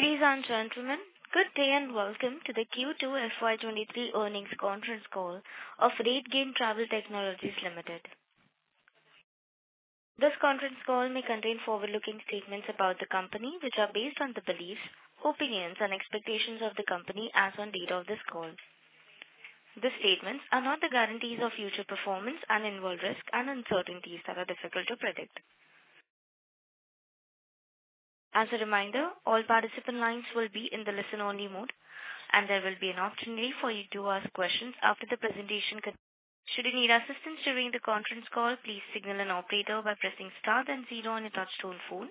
Ladies and gentlemen, good day and welcome to the Q2 FY 2023 earnings conference call of RateGain Travel Technologies Limited. This conference call may contain forward-looking statements about the company, which are based on the beliefs, opinions and expectations of the company as on date of this call. These statements are not the guarantees of future performance and involve risks and uncertainties that are difficult to predict. As a reminder, all participant lines will be in the listen-only mode, and there will be an opportunity for you to ask questions after the presentation complete. Should you need assistance during the conference call, please signal an operator by pressing star then zero on your touchtone phone.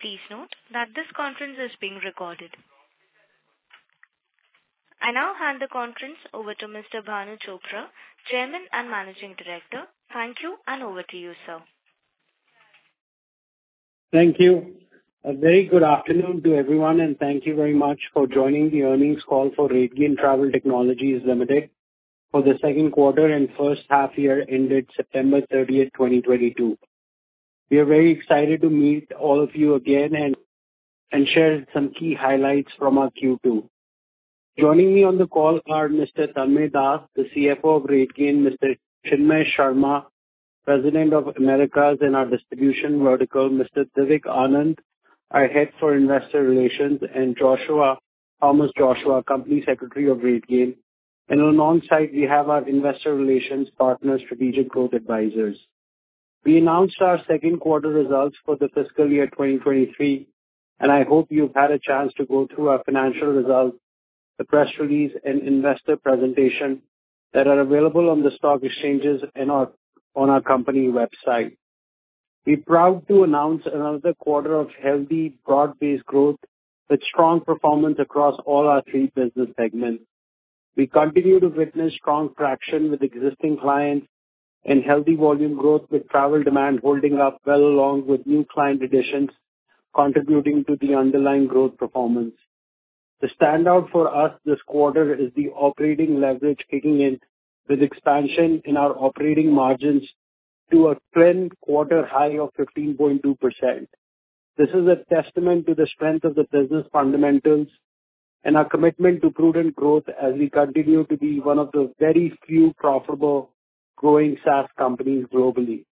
Please note that this conference is being recorded. I now hand the conference over to Mr. Bhanu Chopra, Chairman and Managing Director. Thank you, and over to you, sir. Thank you. A very good afternoon to everyone, and thank you very much for joining the earnings call for RateGain Travel Technologies Limited for the second quarter and first half year ended September thirtieth, 2022. We are very excited to meet all of you again and share some key highlights from our Q2. Joining me on the call are Mr. Tanmaya Das, the CFO of RateGain, Mr. Chinmai Sharma, President of Americas in our Distribution vertical, Mr. Divik Anand, our Head for Investor Relations, and Thomas Joshua, Company Secretary of RateGain. Alongside we have our investor relations partner, Strategic Growth Advisors. We announced our second quarter results for the fiscal year 2023, and I hope you've had a chance to go through our financial results, the press release and investor presentation that are available on the stock exchanges on our company website. We're proud to announce another quarter of healthy broad-based growth with strong performance across all our three business segments. We continue to witness strong traction with existing clients and healthy volume growth with travel demand holding up well along with new client additions, contributing to the underlying growth performance. The standout for us this quarter is the operating leverage kicking in with expansion in our operating margins to a trend quarter high of 15.2%. This is a testament to the strength of the business fundamentals and our commitment to prudent growth as we continue to be one of the very few profitable growing SaaS companies globally.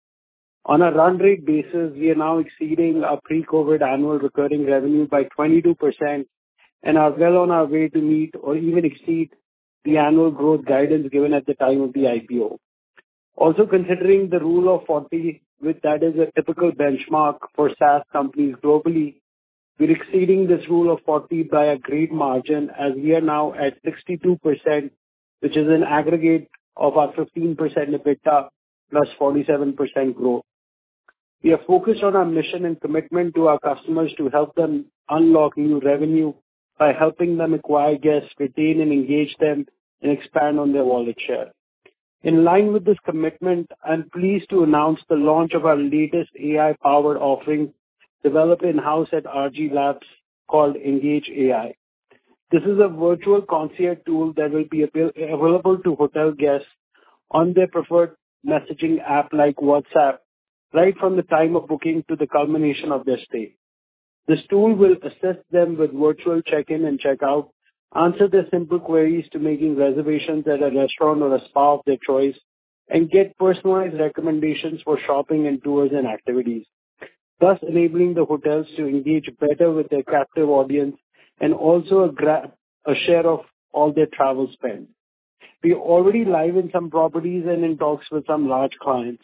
On a run rate basis, we are now exceeding our pre-COVID annual recurring revenue by 22% and are well on our way to meet or even exceed the annual growth guidance given at the time of the IPO. Also, considering the Rule of 40, which is a typical benchmark for SaaS companies globally, we're exceeding this Rule of 40 by a great margin as we are now at 62%, which is an aggregate of our 15% EBITDA plus 47% growth. We are focused on our mission and commitment to our customers to help them unlock new revenue by helping them acquire guests, retain and engage them, and expand on their wallet share. In line with this commitment, I'm pleased to announce the launch of our latest AI-powered offering developed in-house at RG Labs called Engage AI. This is a virtual concierge tool that will be available to hotel guests on their preferred messaging app like WhatsApp right from the time of booking to the culmination of their stay. This tool will assist them with virtual check-in and check-out, answer their simple queries to making reservations at a restaurant or a spa of their choice, and get personalized recommendations for shopping and tours and activities, thus enabling the hotels to engage better with their captive audience and also grab a share of all their travel spend. We are already live in some properties and in talks with some large clients.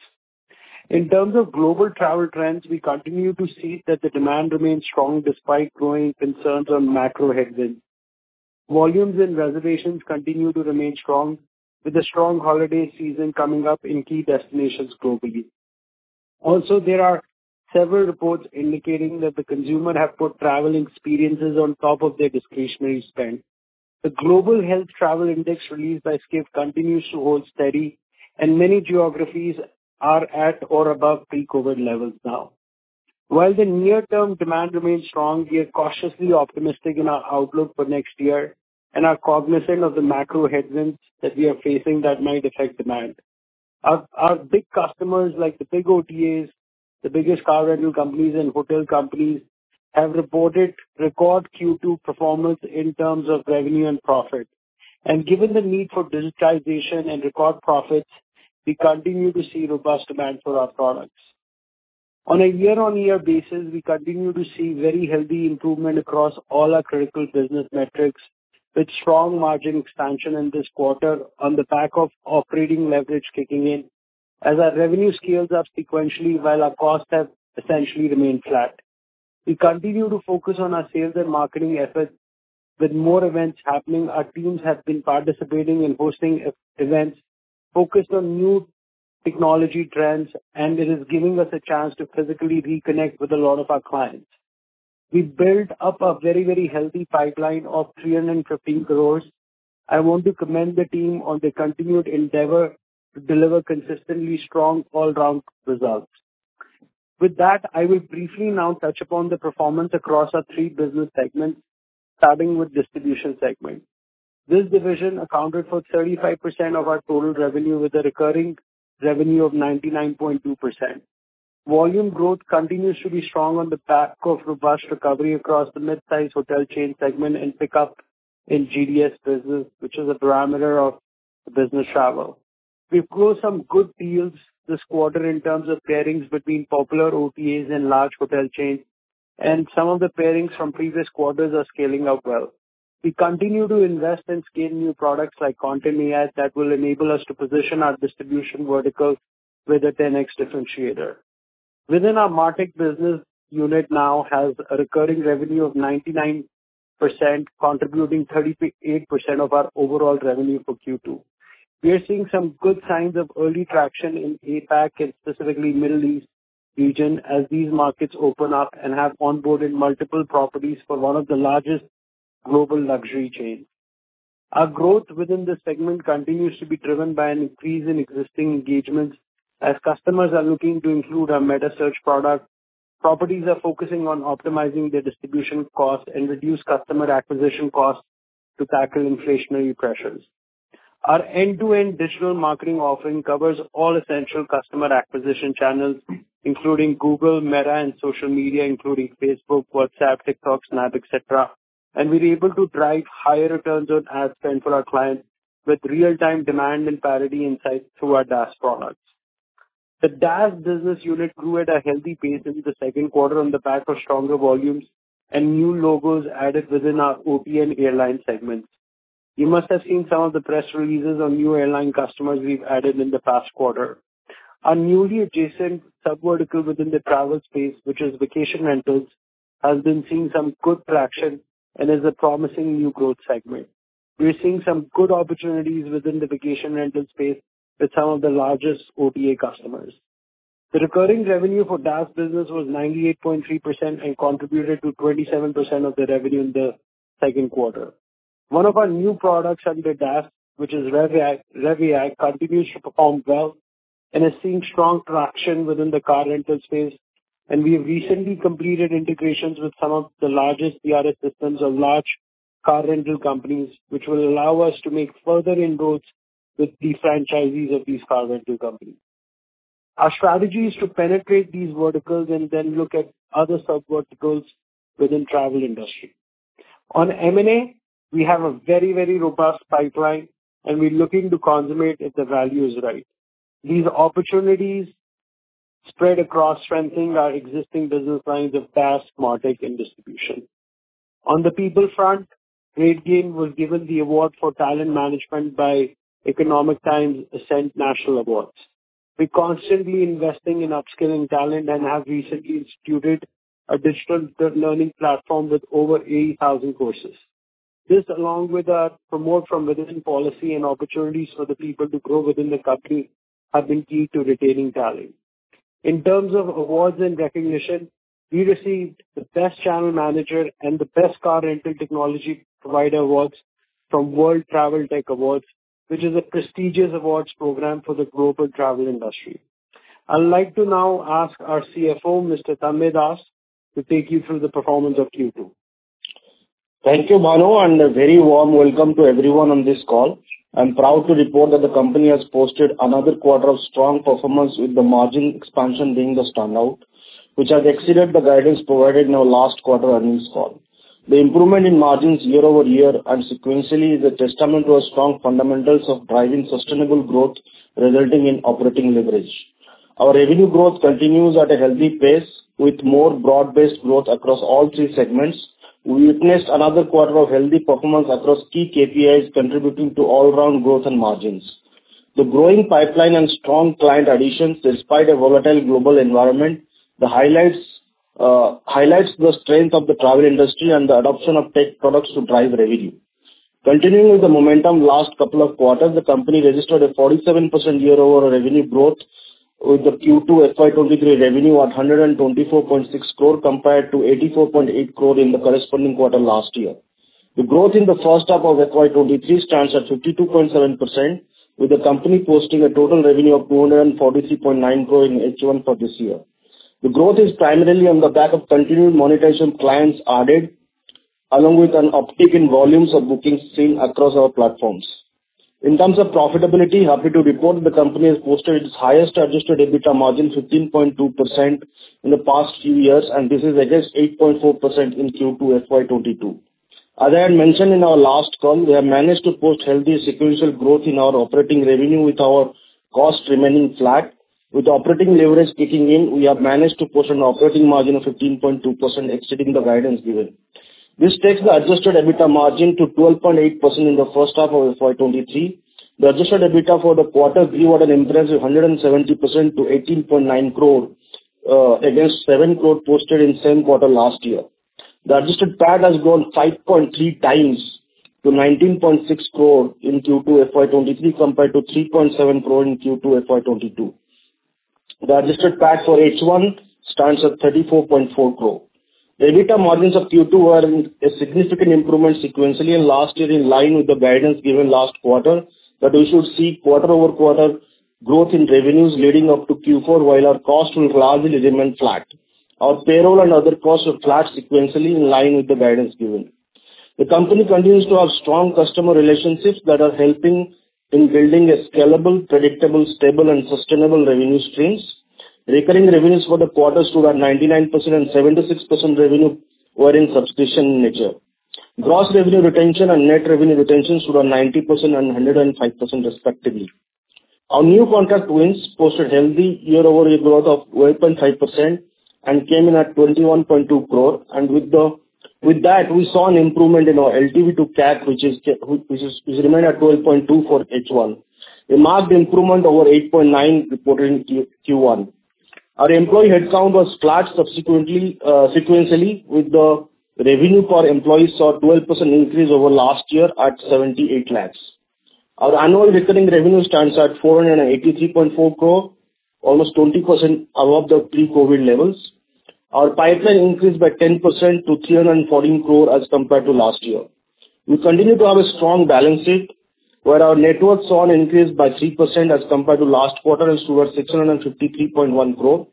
In terms of global travel trends, we continue to see that the demand remains strong despite growing concerns on macro headwinds. Volumes and reservations continue to remain strong with the strong holiday season coming up in key destinations globally. Also, there are several reports indicating that the consumers have put travel experiences on top of their discretionary spend. The Skift Travel Health Index released by Skift continues to hold steady, and many geographies are at or above pre-COVID levels now. While the near-term demand remains strong, we are cautiously optimistic in our outlook for next year and are cognizant of the macro headwinds that we are facing that might affect demand. Our big customers like the big OTAs, the biggest car rental companies and hotel companies, have reported record Q2 performance in terms of revenue and profit. Given the need for digitalization and record profits, we continue to see robust demand for our products. On a year-on-year basis, we continue to see very healthy improvement across all our critical business metrics, with strong margin expansion in this quarter on the back of operating leverage kicking in as our revenue scales up sequentially while our costs have essentially remained flat. We continue to focus on our sales and marketing efforts. With more events happening, our teams have been participating in hosting e-events focused on new technology trends, and it is giving us a chance to physically reconnect with a lot of our clients. We built up a very, very healthy pipeline of 315 crore. I want to commend the team on their continued endeavor to deliver consistently strong all-round results. With that, I will briefly now touch upon the performance across our three business segments, starting with Distribution segment. This division accounted for 35% of our total revenue, with a recurring revenue of 99.2%. Volume growth continues to be strong on the back of robust recovery across the mid-sized hotel chain segment and pick up in GDS business, which is a parameter of business travel. We've closed some good deals this quarter in terms of pairings between popular OTAs and large hotel chains, and some of the pairings from previous quarters are scaling up well. We continue to invest and scale new products like Content.AI that will enable us to position our distribution vertical with a 10X differentiator. Within our MarTech business unit now has a recurring revenue of 99%, contributing 38% of our overall revenue for Q2. We are seeing some good signs of early traction in APAC and specifically Middle East region as these markets open up and have onboarded multiple properties for one of the largest global luxury chains. Our growth within this segment continues to be driven by an increase in existing engagements as customers are looking to include our metasearch product. Properties are focusing on optimizing their distribution costs and reduce customer acquisition costs to tackle inflationary pressures. Our end-to-end digital marketing offering covers all essential customer acquisition channels, including Google, Meta, and social media, including Facebook, WhatsApp, TikTok, Snap, et cetera. We're able to drive higher returns on ad spend for our clients with real-time demand and parity insights through our DaaS products. The DaaS business unit grew at a healthy pace into the second quarter on the back of stronger volumes and new logos added within our OTA and airline segments. You must have seen some of the press releases on new airline customers we've added in the past quarter. Our newly adjacent sub-vertical within the travel space, which is vacation rentals, has been seeing some good traction and is a promising new growth segment. We are seeing some good opportunities within the vacation rental space with some of the largest OTA customers. The recurring revenue for DaaS business was 98.3% and contributed to 27% of the revenue in the second quarter. One of our new products under DaaS, which is RevAI, continues to perform well and is seeing strong traction within the car rental space. We have recently completed integrations with some of the largest CRS systems of large car rental companies, which will allow us to make further inroads with the franchisees of these car rental companies. Our strategy is to penetrate these verticals and then look at other sub-verticals within travel industry. On M&A, we have a very, very robust pipeline, and we're looking to consummate if the value is right. These opportunities spread across strengthening our existing business lines of DaaS, MarTech, and distribution. On the people front, RateGain was given the award for talent management by Economic Times Ascent National Awards. We're constantly investing in upskilling talent and have recently instituted a digital learning platform with over 80,000 courses. This, along with our promote from within policy and opportunities for the people to grow within the company, have been key to retaining talent. In terms of awards and recognition, we received the Best Channel Manager and the Best Car Rental Technology Provider awards from World Travel Tech Awards, which is a prestigious awards program for the global travel industry. I'd like to now ask our CFO, Mr. Tanmaya Das to take you through the performance of Q2. Thank you, Bhanu, and a very warm welcome to everyone on this call. I'm proud to report that the company has posted another quarter of strong performance with the margin expansion being the standout, which has exceeded the guidance provided in our last quarter earnings call. The improvement in margins year over year and sequentially is a testament to our strong fundamentals of driving sustainable growth, resulting in operating leverage. Our revenue growth continues at a healthy pace. With more broad-based growth across all three segments, we witnessed another quarter of healthy performance across key KPIs contributing to all around growth and margins. The growing pipeline and strong client additions despite a volatile global environment highlights the strength of the travel industry and the adoption of tech products to drive revenue. Continuing with the momentum last couple of quarters, the company registered a 47% year-over-year revenue growth with the Q2 FY 2023 revenue at 124.6 crore compared to 84.8 crore in the corresponding quarter last year. The growth in the first half of FY 2023 stands at 52.7%, with the company posting a total revenue of 243.9 crore in H1 for this year. The growth is primarily on the back of continued monetization clients added, along with an uptick in volumes of bookings seen across our platforms. In terms of profitability, happy to report the company has posted its highest Adjusted EBITDA margin, 15.2%, in the past few years, and this is against 8.4% in Q2 FY 2022. As I had mentioned in our last call, we have managed to post healthy sequential growth in our operating revenue with our cost remaining flat. With operating leverage kicking in, we have managed to post an operating margin of 15.2%, exceeding the guidance given. This takes the Adjusted EBITDA margin to 12.8% in the first half of FY 2023. The Adjusted EBITDA for the quarter grew at an impressive 170% to 18.9 crore against 7 crore posted in same quarter last year. The adjusted PAT has grown 5.3 times to 19.6 crore in Q2 FY 2023, compared to 3.7 crore in Q2 FY 2022. The adjusted PAT for H1 stands at 34.4 crore. The EBITDA margins of Q2 were in a significant improvement sequentially and year-over-year in line with the guidance given last quarter that we should see quarter-over-quarter growth in revenues leading up to Q4 while our cost will largely remain flat. Our payroll and other costs were flat sequentially in line with the guidance given. The company continues to have strong customer relationships that are helping in building a scalable, predictable, stable and sustainable revenue streams. Recurring revenues for the quarter stood at 99% and 76% revenue were in subscription nature. Gross revenue retention and net revenue retention stood at 90% and 105% respectively. Our new contract wins posted healthy year-over-year growth of 11.5% and came in at 21.2 crore. With that, we saw an improvement in our LTV to CAC, which remained at 12.2 for H1. A marked improvement over 8.9 reported in Q1. Our employee headcount was flat sequentially, with the revenue per employee saw 12% increase over last year at 78 lakhs. Our annual recurring revenue stands at 483.4 crore, almost 20% above the pre-COVID levels. Our pipeline increased by 10% to 314 crore as compared to last year. We continue to have a strong balance sheet, where our net worth saw an increase by 3% as compared to last quarter and stood at 653.1 crore.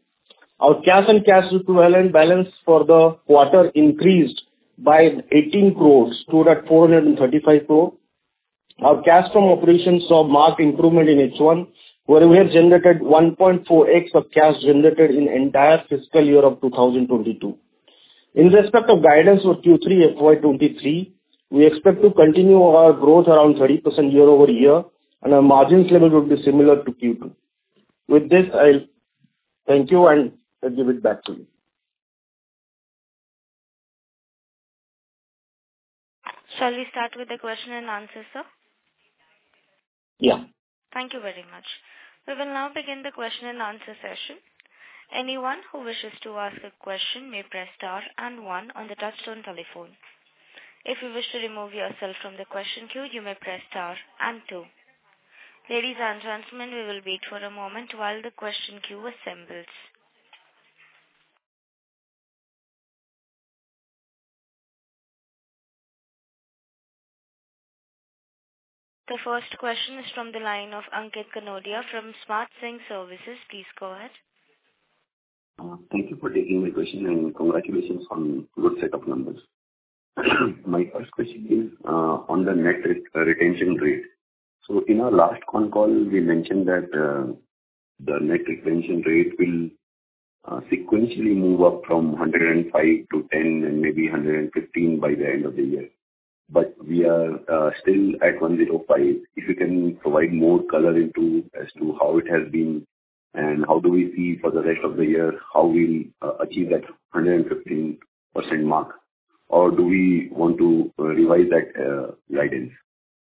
Our cash and cash equivalent balance for the quarter increased by 18 crores, stood at 435 crore. Our cash from operations saw marked improvement in H1, where we have generated 1.4x of cash generated in entire fiscal year of 2022. In respect of guidance for Q3 FY2023, we expect to continue our growth around 30% year-over-year and our margins level would be similar to Q2. With this, I'll thank you and I'll give it back to you. Shall we start with the question and answer, sir? Yeah. Thank you very much. We will now begin the question and answer session. Anyone who wishes to ask a question may press star and one on the touchtone telephone. If you wish to remove yourself from the question queue, you may press star and two. Ladies and gentlemen, we will wait for a moment while the question queue assembles. The first question is from the line of Ankit Kanodia from Smart Sync Services. Please go ahead. Thank you for taking my question, and congratulations on good set of numbers. My first question is on the net retention rate. In our last conference call, we mentioned that the net retention rate will sequentially move up from 105% to 110% and maybe 115% by the end of the year. We are still at 105%. If you can provide more color as to how it has been and how we see for the rest of the year, how we'll achieve that 115% mark. Or do we want to revise that guidance?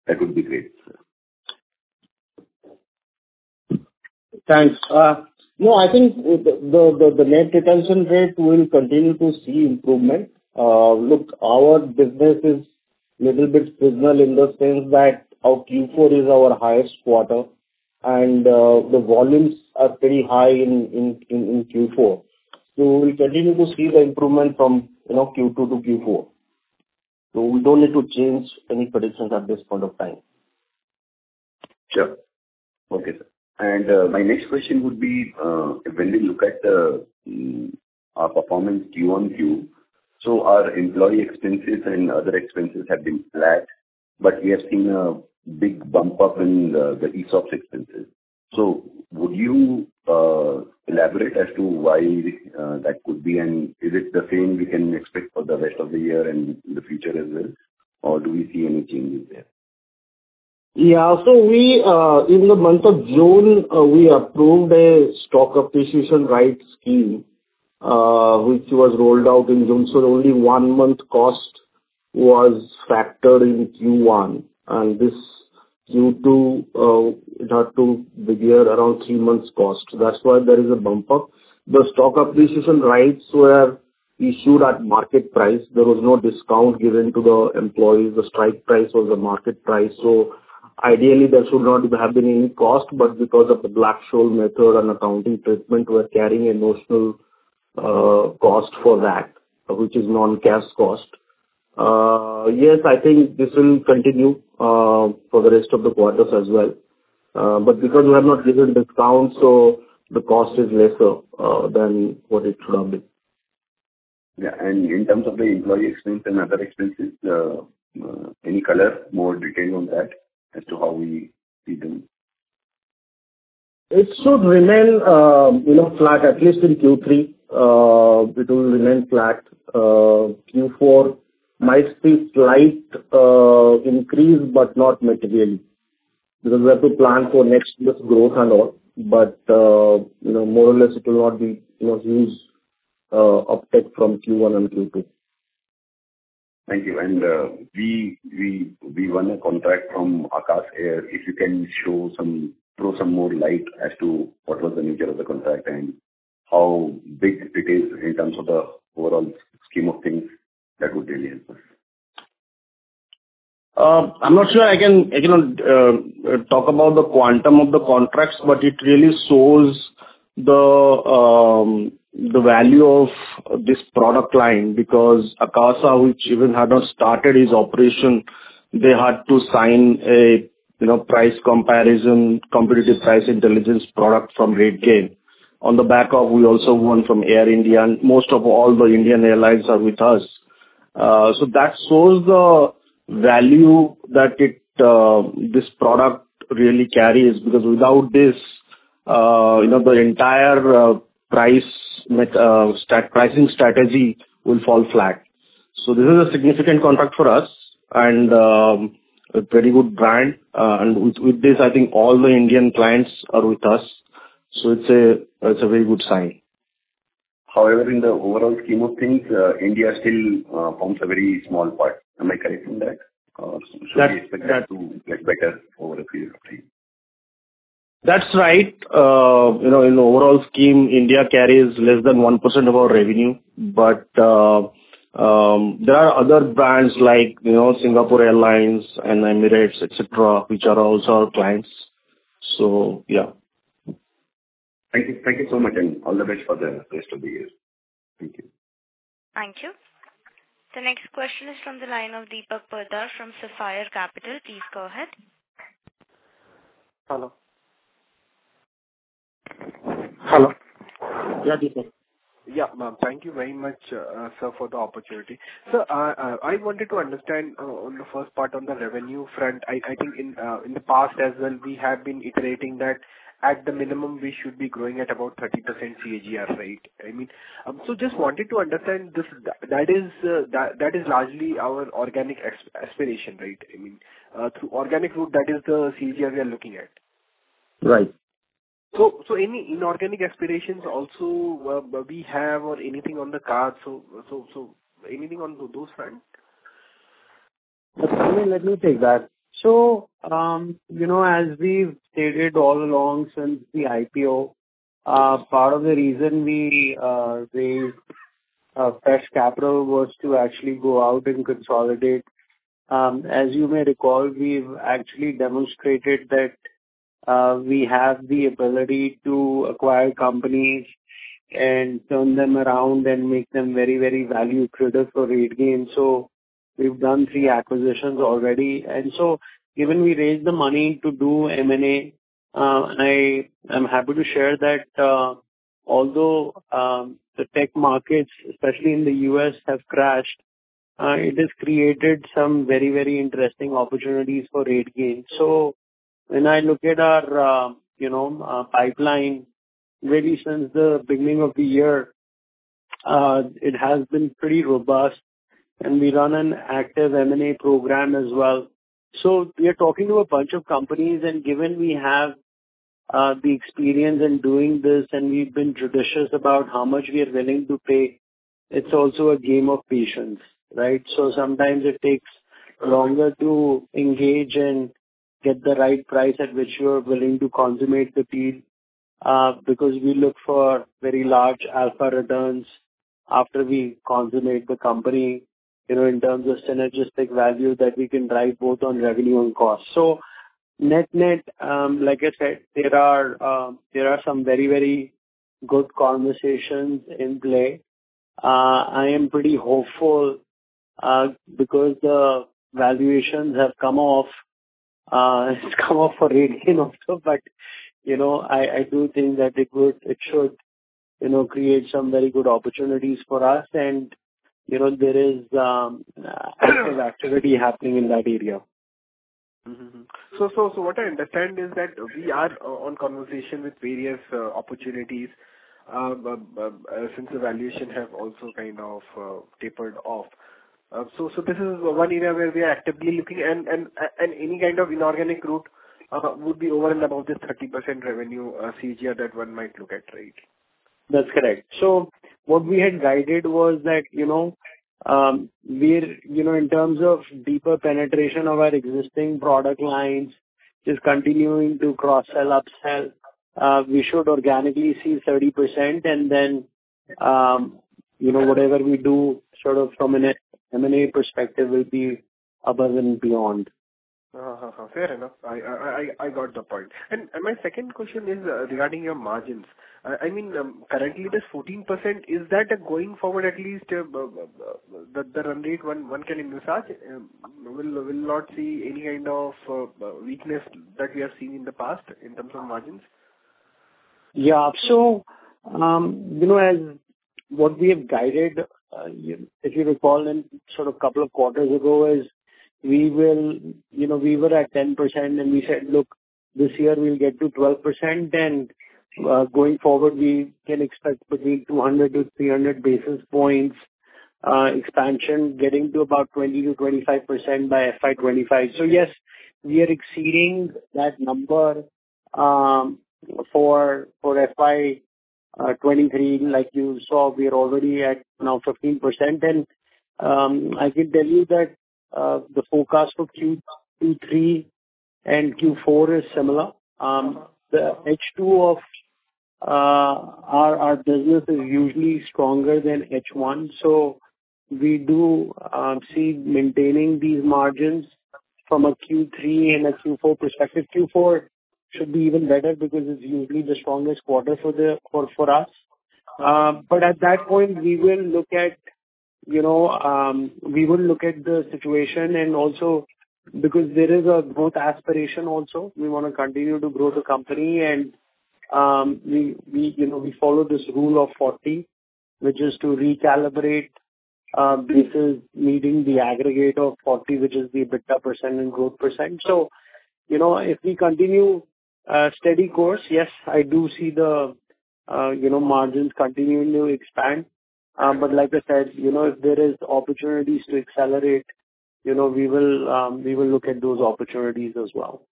That would be great. Thanks. No, I think the net retention rate will continue to see improvement. Look, our business is little bit seasonal in the sense that our Q4 is our highest quarter and the volumes are pretty high in Q4. We'll continue to see the improvement from, you know, Q2 to Q4. We don't need to change any predictions at this point of time. Sure. Okay, sir. My next question would be, when we look at our performance Q-on-Q, our employee expenses and other expenses have been flat, but we have seen a big bump up in the ESOPs expenses. Would you elaborate as to why that could be? Is it the same we can expect for the rest of the year and in the future as well, or do we see any changes there? Yeah. In the month of June, we approved a stock appreciation rights scheme, which was rolled out in June. Only one-month cost was factored in Q1, and this Q2, it had to factor around three months cost. That's why there is a bump up. The stock appreciation rights were issued at market price. There was no discount given to the employees. The strike price was the market price. Ideally there should not have been any cost, but because of the Black-Scholes method and accounting treatment, we're carrying a notional cost for that, which is non-cash cost. Yes, I think this will continue for the rest of the quarters as well. Because we have not given discount, so the cost is lesser than what it should have been. Yeah. In terms of the employee expense and other expenses, any color, more detail on that as to how we see them? It should remain, you know, flat, at least in Q3. It will remain flat. Q4 might see slight increase but not materially, because we have to plan for next year's growth and all. You know, more or less it will not be, you know, huge uptick from Q1 and Q2. Thank you. We won a contract from Akasa Air. If you can throw some more light as to what was the nature of the contract and how big it is in terms of the overall scheme of things, that would really help. I'm not sure I can, again, talk about the quantum of the contracts, but it really shows the value of this product line. Because Akasa Air, which even had not started its operation, they had to sign a, you know, price comparison, competitive price intelligence product from RateGain. On the back of, we also won from Air India, and most of all the Indian airlines are with us. That shows the value that this product really carries. Because without this, you know, the entire pricing strategy will fall flat. This is a significant contract for us and a very good brand. With this, I think all the Indian clients are with us, so it's a very good sign. However, in the overall scheme of things, India still forms a very small part. Am I correct in that? Or should we expect that to get better over a period of time? That's right. You know, in the overall scheme, India carries less than 1% of our revenue. There are other brands like, you know, Singapore Airlines and Emirates, et cetera, which are also our clients. Yeah. Thank you. Thank you so much, and all the best for the rest of the year. Thank you. Thank you. The next question is from the line of Deepak Purswani from Sapphire Capital. Please go ahead. Hello? Hello. Yeah, Deepak. Yeah. Thank you very much, sir, for the opportunity. Sir, I wanted to understand on the first part on the revenue front. I think in the past as well, we have been iterating that at the minimum we should be growing at about 30% CAGR, right? I mean, just wanted to understand this. That is largely our organic aspiration, right? I mean, through organic route, that is the CAGR we are looking at. Right. Any inorganic aspirations also we have or anything on the cards, so anything on those fronts? Let me take that. You know, as we've stated all along since the IPO, part of the reason we raised fresh capital was to actually go out and consolidate. As you may recall, we've actually demonstrated that we have the ability to acquire companies and turn them around and make them very, very value accretive for RateGain. We've done three acquisitions already. Given we raised the money to do M&A, and I'm happy to share that. Although the tech markets, especially in the U.S., have crashed, it has created some very, very interesting opportunities for RateGain. When I look at our pipeline, really since the beginning of the year, it has been pretty robust and we run an active M&A program as well. We are talking to a bunch of companies, and given we have the experience in doing this and we've been judicious about how much we are willing to pay, it's also a game of patience, right? Sometimes it takes longer to engage and get the right price at which you are willing to consummate the deal, because we look for very large alpha returns after we consummate the company, you know, in terms of synergistic value that we can drive both on revenue and cost. Net-net, like I said, there are some very, very good conversations in play. I am pretty hopeful, because the valuations have come off for RateGain also. You know, I do think that it should, you know, create some very good opportunities for us. You know, there is actual activity happening in that area. What I understand is that we are in conversation with various opportunities since the valuation have also kind of tapered off. This is one area where we are actively looking and any kind of inorganic route would be over and above this 30% revenue CAGR that one might look at, right? That's correct. What we had guided was that, you know, we're, you know, in terms of deeper penetration of our existing product lines, just continuing to cross-sell, upsell, we should organically see 30% and then, you know, whatever we do sort of from an M&A perspective will be above and beyond. Fair enough. I got the point. My second question is regarding your margins. I mean, currently it is 14%. Is that going forward, at least, the run rate one can envisage? We'll not see any kind of weakness that we have seen in the past in terms of margins? Yeah. You know, as we have guided, if you recall a couple of quarters ago, we were at 10% and we said, "Look, this year we'll get to 12%, and going forward, we can expect between 200-300 basis points expansion getting to about 20%-25% by FY 2025." Yes, we are exceeding that number for FY 2023. Like you saw, we are already at now 15%. I can tell you that the forecast for Q3 and Q4 is similar. The H2 of our business is usually stronger than H1, so we do see maintaining these margins from a Q3 and a Q4 perspective. Q4 should be even better because it's usually the strongest quarter for us. At that point, we will look at, you know, we will look at the situation and also because there is a growth aspiration also. We wanna continue to grow the company and, you know, we follow this Rule of 40, which is to recalibrate basis meeting the aggregate of 40, which is the EBITDA % and growth %. You know, if we continue steady course, yes, I do see the, you know, margins continuing to expand. Like I said, you know, if there is opportunities to accelerate, you know, we will look at those opportunities as well.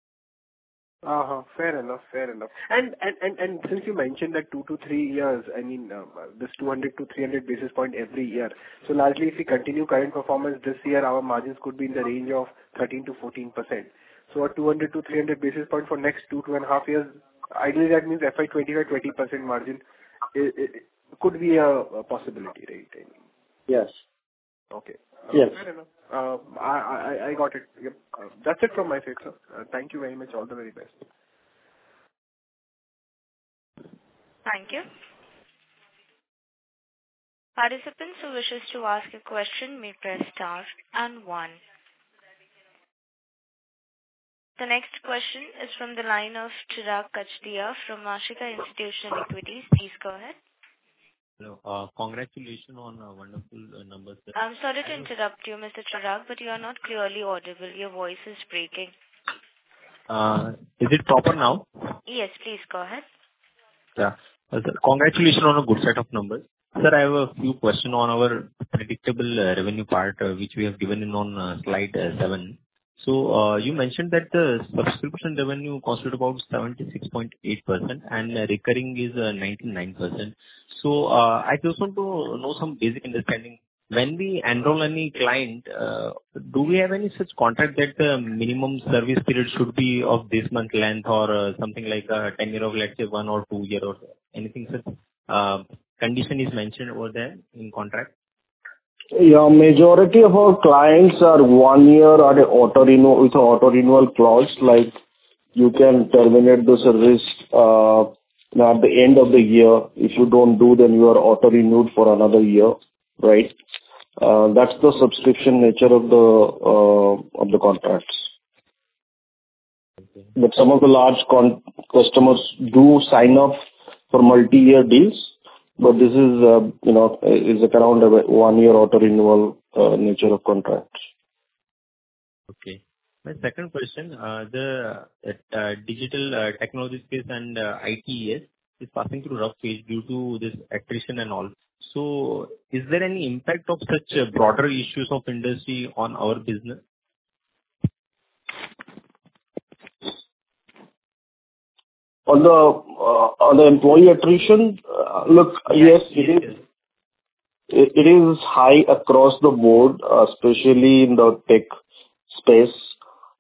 Fair enough. Since you mentioned that 2-3 years, I mean, this 200-300 basis points every year. Largely, if we continue current performance this year, our margins could be in the range of 13%-14%. A 200-300 basis points for next 2.5 years, ideally that means FY 2025, 20% margin it could be a possibility, right? I mean. Yes. Okay. Yes. Fair enough. I got it. Yep. That's it from my side, sir. Thank you very much. All the very best. Thank you. Participants who wishes to ask a question may press star and one. The next question is from the line of Chirag Kachhadiya from Ashika Institutional Equities. Please go ahead. Hello. Congratulations on a wonderful numbers, sir. I'm sorry to interrupt you, Mr. Chirag, but you are not clearly audible. Your voice is breaking. Is it proper now? Yes. Please go ahead. Yeah. Congratulations on a good set of numbers. Sir, I have a few questions on our predictable revenue part, which we have given on slide seven. You mentioned that the subscription revenue constituted about 76.8% and recurring is 99%. I just want to know some basic understanding. When we enroll any client, do we have any such contract that the minimum service period should be of this month length or something like tenure of, let's say, 1 or 2 year or anything, sir, condition is mentioned over there in contract? Yeah. Majority of our clients are one year with auto renewal clause. Like, you can terminate the service at the end of the year. If you don't do, then you are auto-renewed for another year, right? That's the subscription nature of the contracts. Okay. Some of the large customers do sign off for multi-year deals, but this is, you know, is around a one-year auto renewal nature of contracts. Okay. My second question. The digital technology space and IT is passing through tough phase due to this attrition and all. Is there any impact of such broader issues of industry on our business? On the employee attrition, look, yes, it is. It is high across the board, especially in the tech space.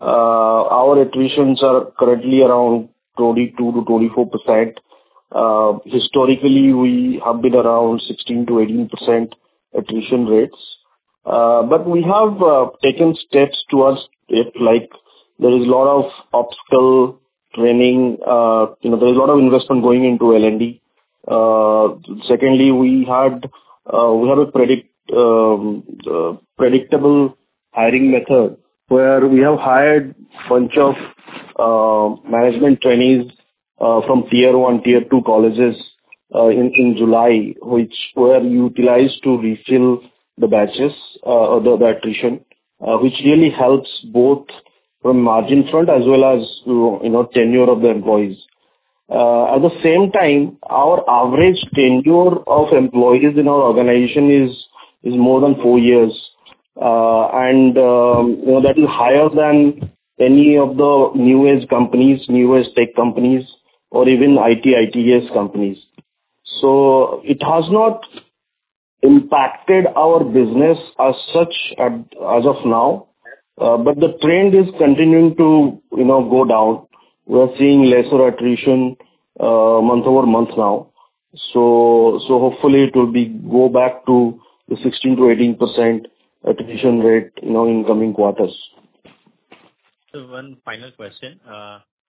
Our attritions are currently around 22%-24%. Historically, we have been around 16%-18% attrition rates. We have taken steps towards it, like, there is a lot of upskill training, you know, there is a lot of investment going into L&D. Secondly, we have a predictable hiring method where we have hired bunch of management trainees from tier one, tier two colleges in July, which were utilized to refill the batches, the attrition, which really helps both from margin front as well as, you know, tenure of the employees. At the same time, our average tenure of employees in our organization is more than four years. You know, that is higher than any of the newest companies, newest tech companies or even IT, ITES companies. It has not impacted our business as such as of now. The trend is continuing to, you know, go down. We are seeing lesser attrition month-over-month now. Hopefully it will go back to the 16%-18% attrition rate, you know, in coming quarters. Sir, one final question.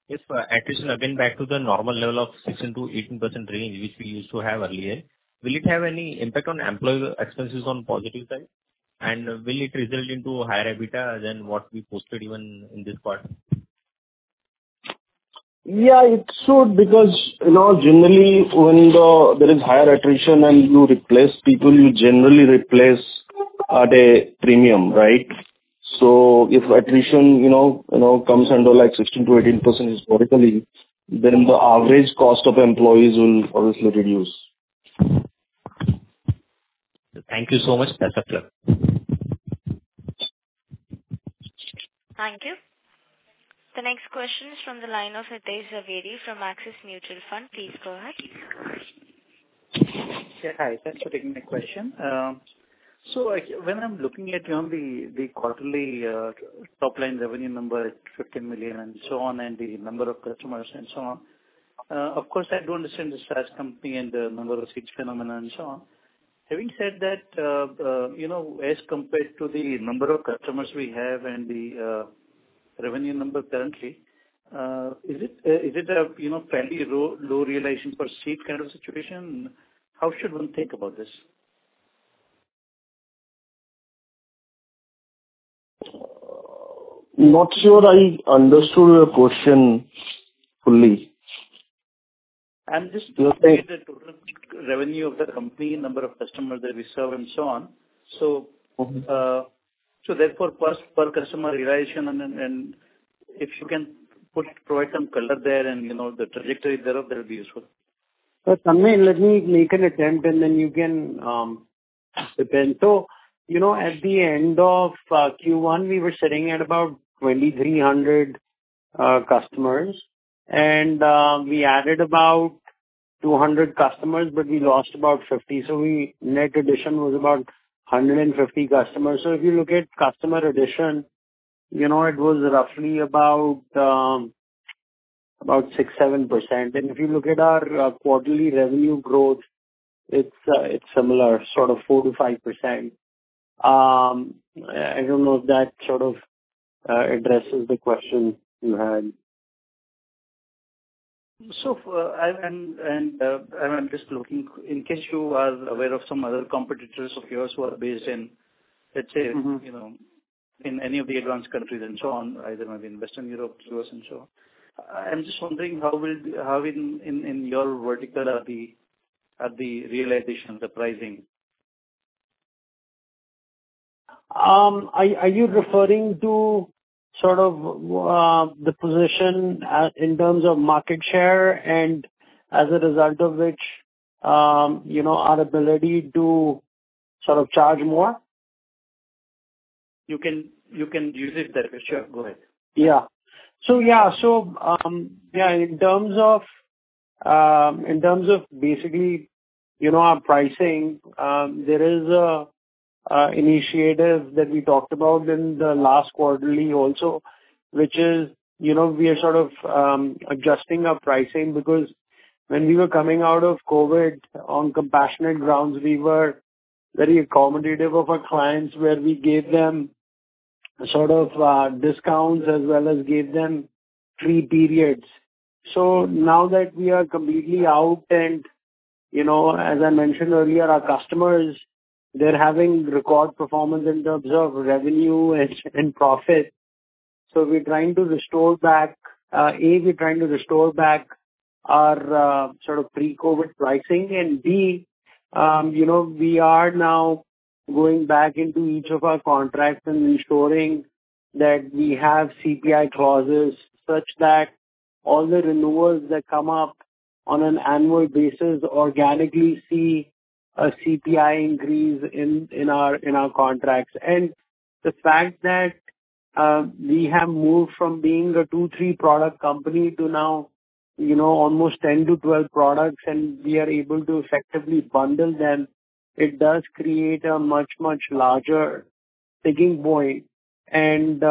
If attrition have been back to the normal level of 16%-18% range, which we used to have earlier, will it have any impact on employee expenses on positive side? Will it result into higher EBITDA than what we posted even in this part? Yeah, it should because, you know, generally when there is higher attrition and you replace people, you generally replace at a premium, right? If attrition, you know, comes under like 16%-18% historically, then the average cost of employees will obviously reduce. Thank you so much. Best of luck. Thank you. The next question is from the line of Hitesh Zaveri from Axis Mutual Fund. Please go ahead. Yeah. Hi. Thanks for taking the question. So like when I'm looking at, you know, the quarterly top line revenue number at 15 million and so on, and the number of customers and so on, of course, I do understand the SaaS company and the number of seats phenomenon and so on. Having said that, you know, as compared to the number of customers we have and the revenue number currently. Is it a, you know, fairly low realization per seat kind of situation? How should one think about this? Not sure I understood your question fully. I'm just looking at the total revenue of the company, number of customers that we serve and so on. Mm-hmm. Therefore cost per customer realization and then. If you can provide some color there and, you know, the trajectory thereof, that would be useful. Samit, let me make an attempt, and then you can ask again. You know, at the end of Q1, we were sitting at about 2,300 customers and we added about 200 customers, but we lost about 50. Net addition was about 150 customers. If you look at customer addition, you know, it was roughly about 6-7%. If you look at our quarterly revenue growth, it's similar, sort of 4%-5%. I don't know if that sort of addresses the question you had. I'm just looking. In case you are aware of some other competitors of yours who are based in, let's say- Mm-hmm You know, in any of the advanced countries and so on, either maybe in Western Europe, U.S. and so on. I'm just wondering how in your vertical are the realization, the pricing? Are you referring to sort of the position as in terms of market share and as a result of which, you know, our ability to sort of charge more? You can use it that way. Sure. Go ahead. In terms of basically, you know, our pricing, there is an initiative that we talked about in the last quarterly also, which is, you know, we are sort of adjusting our pricing because when we were coming out of COVID, on compassionate grounds, we were very accommodative of our clients, where we gave them sort of discounts as well as gave them free periods. Now that we are completely out and, you know, as I mentioned earlier, our customers, they're having record performance in terms of revenue and profit. We're trying to restore back our sort of pre-COVID pricing. B, you know, we are now going back into each of our contracts and ensuring that we have CPI clauses such that all the renewals that come up on an annual basis organically see a CPI increase in our contracts. The fact that we have moved from being a two, three product company to now, you know, almost 10 to 12 products and we are able to effectively bundle them, it does create a much, much larger sticking point. Based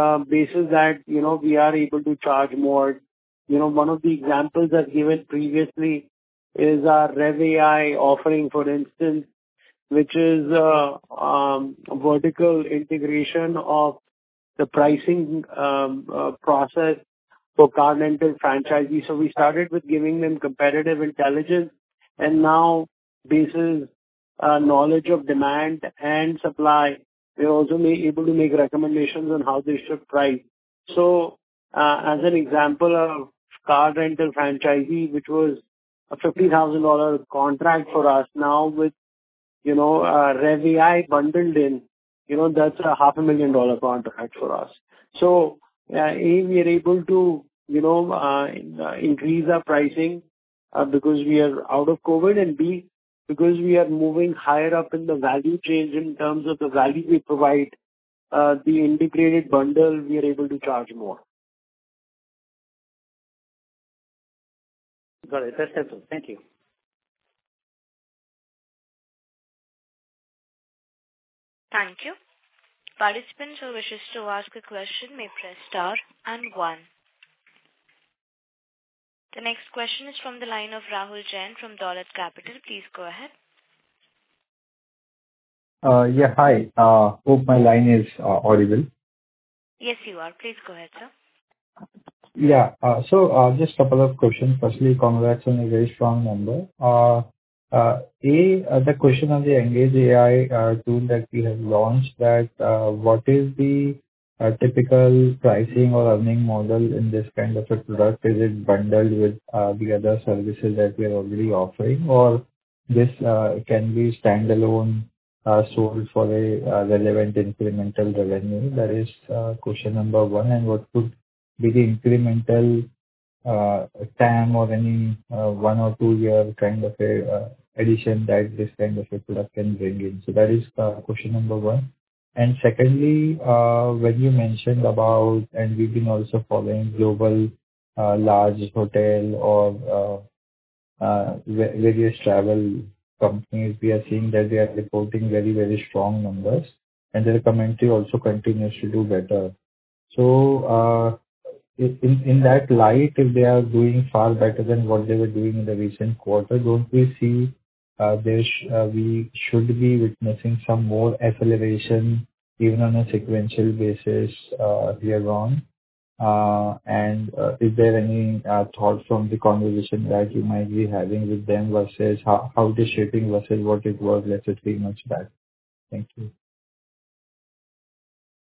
on that, you know, we are able to charge more. You know, one of the examples I've given previously is our revAI offering, for instance, which is vertical integration of the pricing process for car rental franchisees. We started with giving them competitive intelligence and now basis knowledge of demand and supply, we're also able to make recommendations on how they should price. As an example of car rental franchisee, which was a $50,000 contract for us now with, you know, revAI bundled in, you know, that's a half a million dollar contract for us. A, we are able to, you know, increase our pricing, because we are out of COVID. And B, because we are moving higher up in the value chain in terms of the value we provide, the integrated bundle, we are able to charge more. Got it. That's helpful. Thank you. Thank you. Participants who wish to ask a question may press star and one. The next question is from the line of Rahul Jain from Dolat Capital. Please go ahead. Yeah. Hi. Hope my line is audible. Yes, you are. Please go ahead, sir. Just couple of questions. Firstly, congrats on a very strong number. The question on the Engage AI tool that you have launched, what is the typical pricing or earning model in this kind of a product? Is it bundled with the other services that you're already offering? Or this can be standalone, sold for a relevant incremental revenue? That is question number one. What could be the incremental TAM or any one or two-year kind of a addition that this kind of a product can bring in? That is question number one. Secondly, when you mentioned about, and we've been also following global large hotel or various travel companies, we are seeing that they are reporting very strong numbers and their commentary also continues to do better. In that light, if they are doing far better than what they were doing in the recent quarter, don't we see, we should be witnessing some more acceleration even on a sequential basis, year-on-year? Is there any thought from the conversation that you might be having with them versus how it is shaping versus what it was, let's say, three months back? Thank you.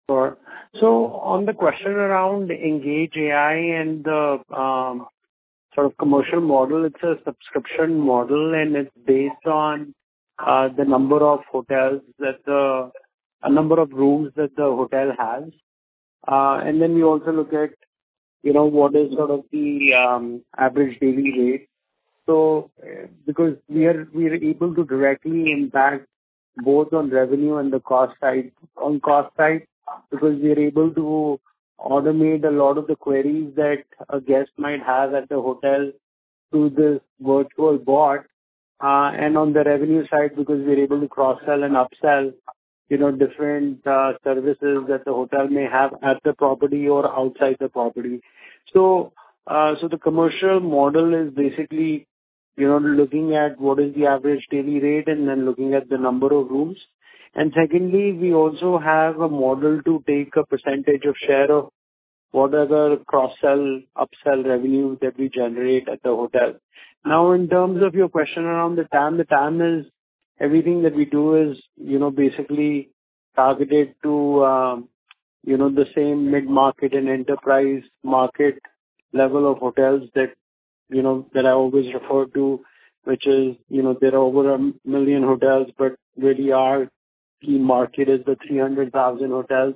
Sure. On the question around Engage AI and the sort of commercial model, it's a subscription model, and it's based on the number of rooms that the hotel has. We also look at, you know, what is sort of the average daily rate. Because we are able to directly impact both on revenue and the cost side. On cost side, because we are able to automate a lot of the queries that a guest might have at the hotel through this virtual bot. On the revenue side because we are able to cross-sell and up-sell, you know, different services that the hotel may have at the property or outside the property. The commercial model is basically, you know, looking at what is the average daily rate and then looking at the number of rooms. Secondly, we also have a model to take a percentage of share of whatever cross-sell, up-sell revenue that we generate at the hotel. Now, in terms of your question around the TAM, the TAM is everything that we do is, you know, basically targeted to, you know, the same mid-market and enterprise market level of hotels that, you know, that I always refer to, which is, you know, there are over 1 million hotels. Really our key market is the 300,000 hotels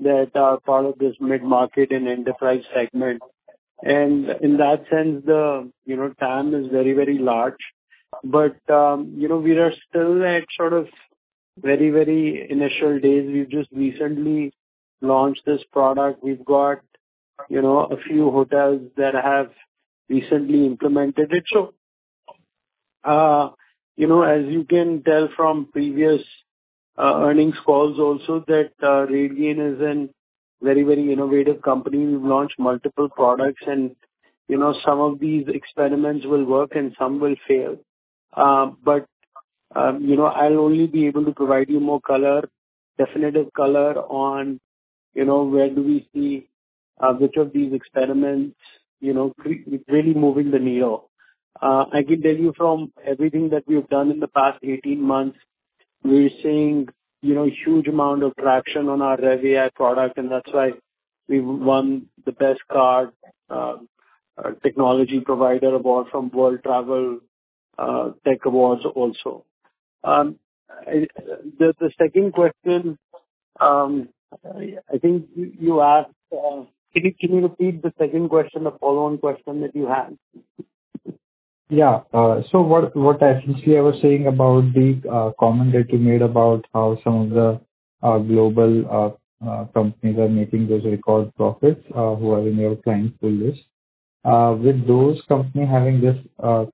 that are part of this mid-market and enterprise segment. In that sense, you know, TAM is very, very large. You know, we are still at sort of very, very initial days. We've just recently launched this product. We've got, you know, a few hotels that have recently implemented it. As you can tell from previous earnings calls also that RateGain is a very, very innovative company. We've launched multiple products and, you know, some of these experiments will work and some will fail. You know, I'll only be able to provide you more color, definitive color on where do we see which of these experiments really moving the needle. I can tell you from everything that we've done in the past 18 months, we're seeing, you know, huge amount of traction on our revAI product, and that's why we won the best SaaS technology provider award from World Travel Tech Awards also. The second question, I think you asked, can you repeat the second question, the follow-on question that you had? Yeah. What essentially I was saying about the comment that you made about how some of the global companies are making those record profits, who are in your client pool list. With those companies having this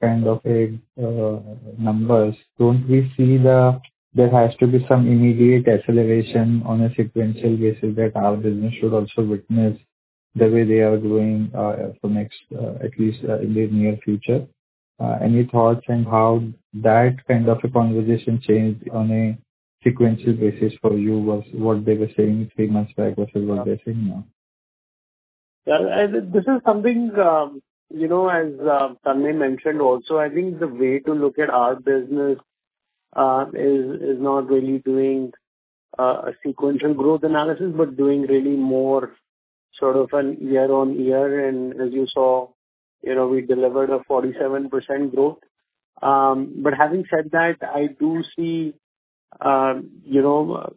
kind of a numbers, don't we see there has to be some immediate acceleration on a sequential basis that our business should also witness the way they are doing for next at least in the near future. Any thoughts on how that kind of a conversation changed on a sequential basis for you versus what they were saying three months back versus what they're saying now? Yeah. This is something, you know, as Tanmaya mentioned also, I think the way to look at our business is not really doing a sequential growth analysis, but doing really more sort of a year-on-year. As you saw, you know, we delivered a 47% growth. But having said that, I do see, you know,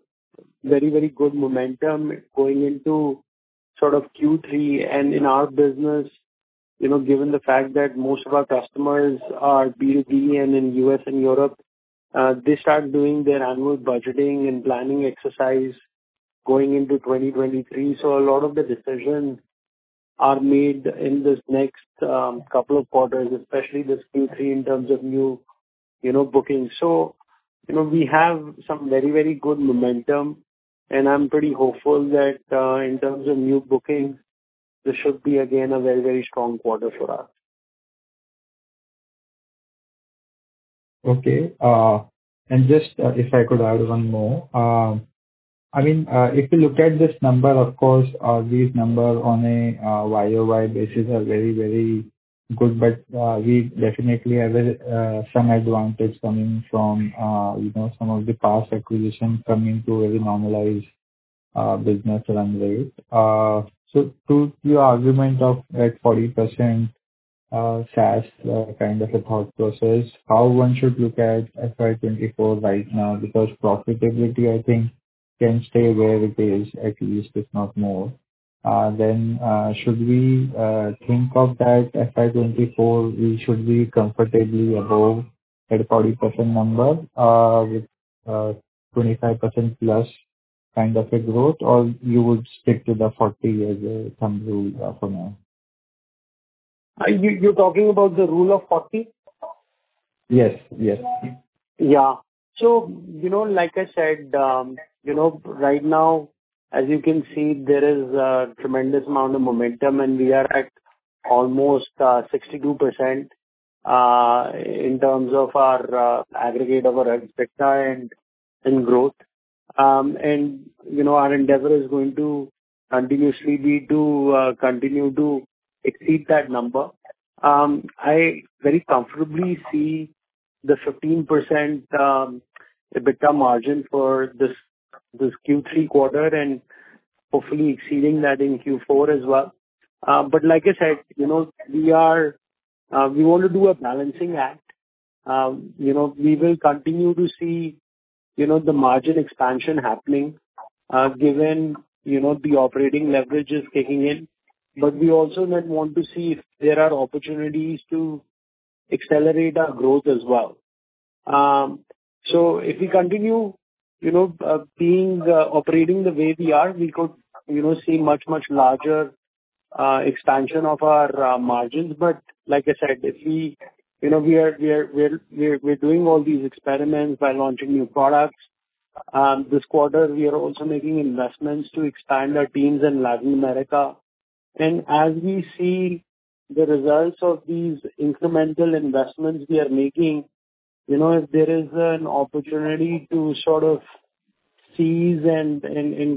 very, very good momentum going into sort of Q3. In our business, you know, given the fact that most of our customers are B2B and in U.S. and Europe, they start doing their annual budgeting and planning exercise going into 2023. A lot of the decisions are made in this next couple of quarters, especially this Q3, in terms of new, you know, bookings. You know, we have some very, very good momentum, and I'm pretty hopeful that, in terms of new bookings, this should be again a very, very strong quarter for us. Okay. Just if I could add one more. I mean, if you look at this number, of course, these numbers on a year-over-year basis are very, very good. We definitely have some advantage coming from, you know, some of the past acquisitions coming to a very normalized business run rate. To your argument of that 40% SaaS kind of a thought process, how one should look at FY 2024 right now, because profitability, I think can stay where it is, at least if not more. Should we think of that FY 2024, we should be comfortably above that 40% number, with 25% plus kind of a growth, or you would stick to the 40 as a thumb rule, for now? Are you talking about the Rule of 40? Yes. Yes. Yeah. You know, like I said, you know, right now, as you can see, there is a tremendous amount of momentum, and we are at almost 62% in terms of our aggregate of our EBITDA and growth. You know, our endeavor is going to continuously be to continue to exceed that number. I very comfortably see the 15% EBITDA margin for this Q3 quarter and hopefully exceeding that in Q4 as well. Like I said, you know, we are. We want to do a balancing act. You know, we will continue to see you know, the margin expansion happening, given you know, the operating leverage is kicking in. We also then want to see if there are opportunities to accelerate our growth as well. If we continue, you know, by operating the way we are, we could, you know, see much larger expansion of our margins. Like I said, if we, you know, we're doing all these experiments by launching new products. This quarter we are also making investments to expand our teams in Latin America. As we see the results of these incremental investments we are making, you know, if there is an opportunity to sort of seize and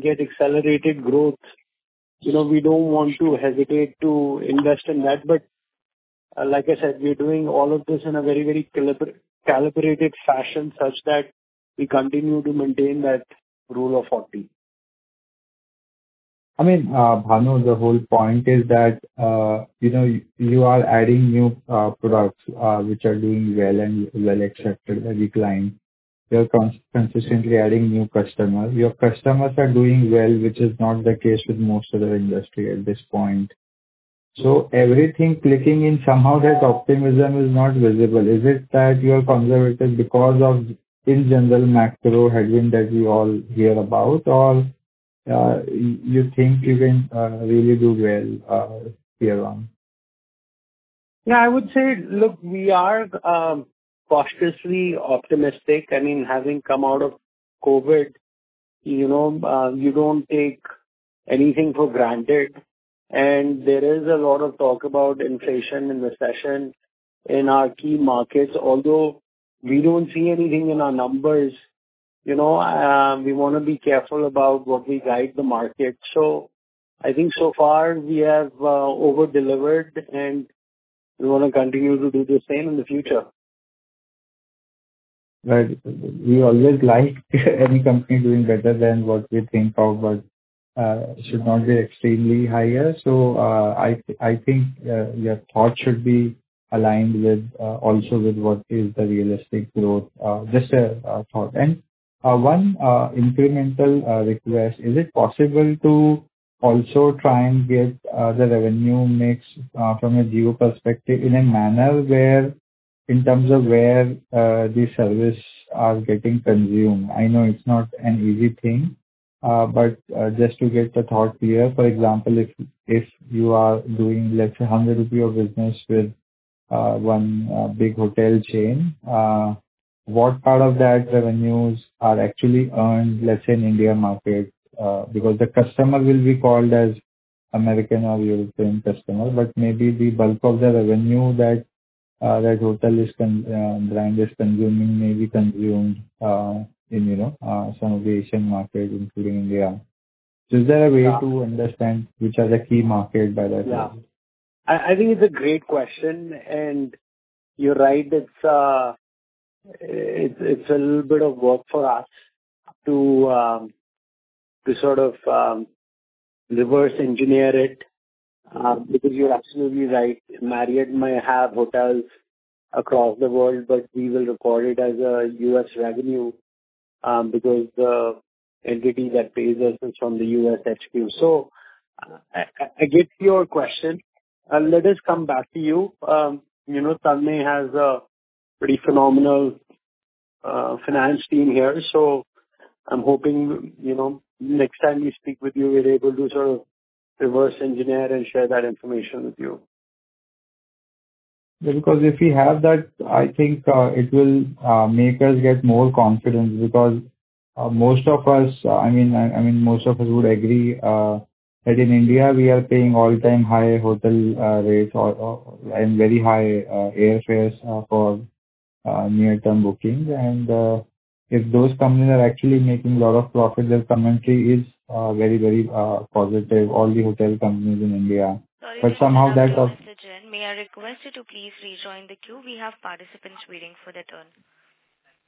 get accelerated growth, you know, we don't want to hesitate to invest in that. Like I said, we are doing all of this in a very calibrated fashion such that we continue to maintain that Rule of 40. I mean, Bhanu, the whole point is that, you know, you are adding new products, which are doing well and well accepted by the client. You are consistently adding new customers. Your customers are doing well, which is not the case with most of the industry at this point. Everything clicking in, somehow that optimism is not visible. Is it that you are conservative because of in general macro headwind that we all hear about? Or, you think you can really do well, year-on? Yeah, I would say, look, we are cautiously optimistic. I mean, having come out of COVID, you know, you don't take anything for granted. There is a lot of talk about inflation and recession in our key markets, although we don't see anything in our numbers. You know, we wanna be careful about what we guide the market. I think so far we have over-delivered, and we wanna continue to do the same in the future. Right. We always like any company doing better than what we think of, but should not be extremely higher. I think your thought should be aligned with also with what is the realistic growth. Just a thought. One incremental request. Is it possible to also try and get the revenue mix from a geo perspective in a manner where in terms of where the service are getting consumed? I know it's not an easy thing, but just to get the thought clear. For example, if you are doing, let's say, 100 rupee of business with one big hotel chain, what part of that revenues are actually earned, let's say, in India market? Because the customer will be called as American or European customer, but maybe the bulk of the revenue that hotelist con brand is consuming may be consumed in you know some of the Asian market, including India. Is there a way- Yeah. to understand which are the key markets by that revenue? Yeah. I think it's a great question, and you're right. It's a little bit of work for us to sort of reverse engineer it because you're absolutely right. Marriott may have hotels across the world, but we will record it as a U.S. revenue because the entity that pays us is from the U.S. HQ. I get your question. Let us come back to you. You know, Tanmay has a pretty phenomenal finance team here. I'm hoping, you know, next time we speak with you, we're able to sort of reverse engineer and share that information with you. Because if we have that, I think, it will make us get more confident because, most of us, I mean, most of us would agree, that in India we are paying all-time high hotel rates or and very high airfares for near-term bookings. If those companies are actually making a lot of profit, their commentary is very positive, all the hotel companies in India. Somehow that's. Sorry to interrupt, Mr. Jain. May I request you to please rejoin the queue? We have participants waiting for their turn.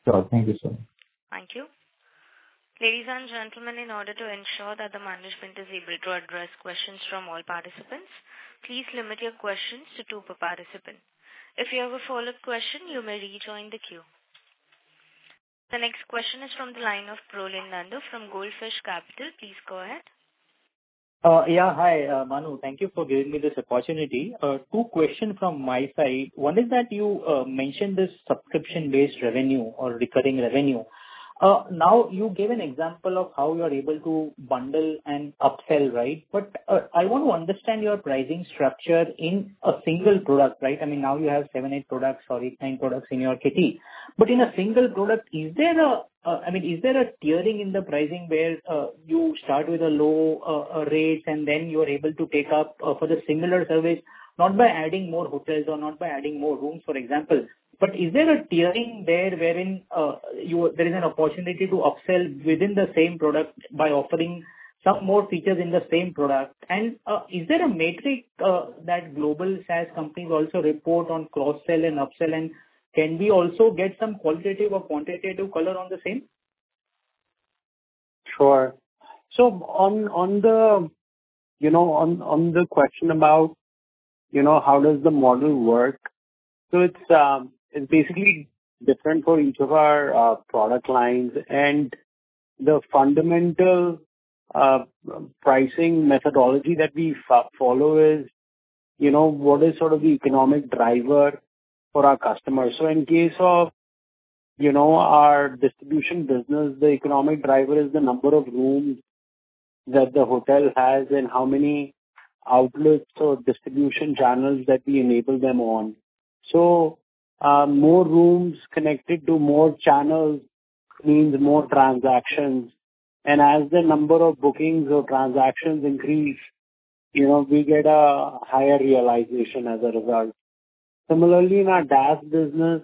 Sure. Thank you so much. Thank you. Ladies and gentlemen, in order to ensure that the management is able to address questions from all participants, please limit your questions to two per participant. If you have a follow-up question, you may rejoin the queue. The next question is from the line of Pranav Landbo from Goldfish Capital. Please go ahead. Yeah. Hi, Bhanu. Thank you for giving me this opportunity. Two questions from my side. One is that you mentioned this subscription-based revenue or recurring revenue. Now you gave an example of how you are able to bundle and upsell, right? I want to understand your pricing structure in a single product, right? I mean, now you have 7, 8 products or 8, 9 products in your kitty. In a single product, is there a, I mean, is there a tiering in the pricing where you start with a low rate and then you're able to take up for the similar service, not by adding more hotels or not by adding more rooms, for example, but is there a tiering there wherein you... There is an opportunity to upsell within the same product by offering some more features in the same product? Is there a metric that global SaaS companies also report on cross-sell and upsell? Can we also get some qualitative or quantitative color on the same? Sure. On the question about, you know, how does the model work, it's basically different for each of our product lines. The fundamental pricing methodology that we follow is, you know, what is sort of the economic driver for our customers. In case of, you know, our distribution business, the economic driver is the number of rooms that the hotel has and how many outlets or distribution channels that we enable them on. More rooms connected to more channels means more transactions. As the number of bookings or transactions increase, you know, we get a higher realization as a result. Similarly, in our DaaS business,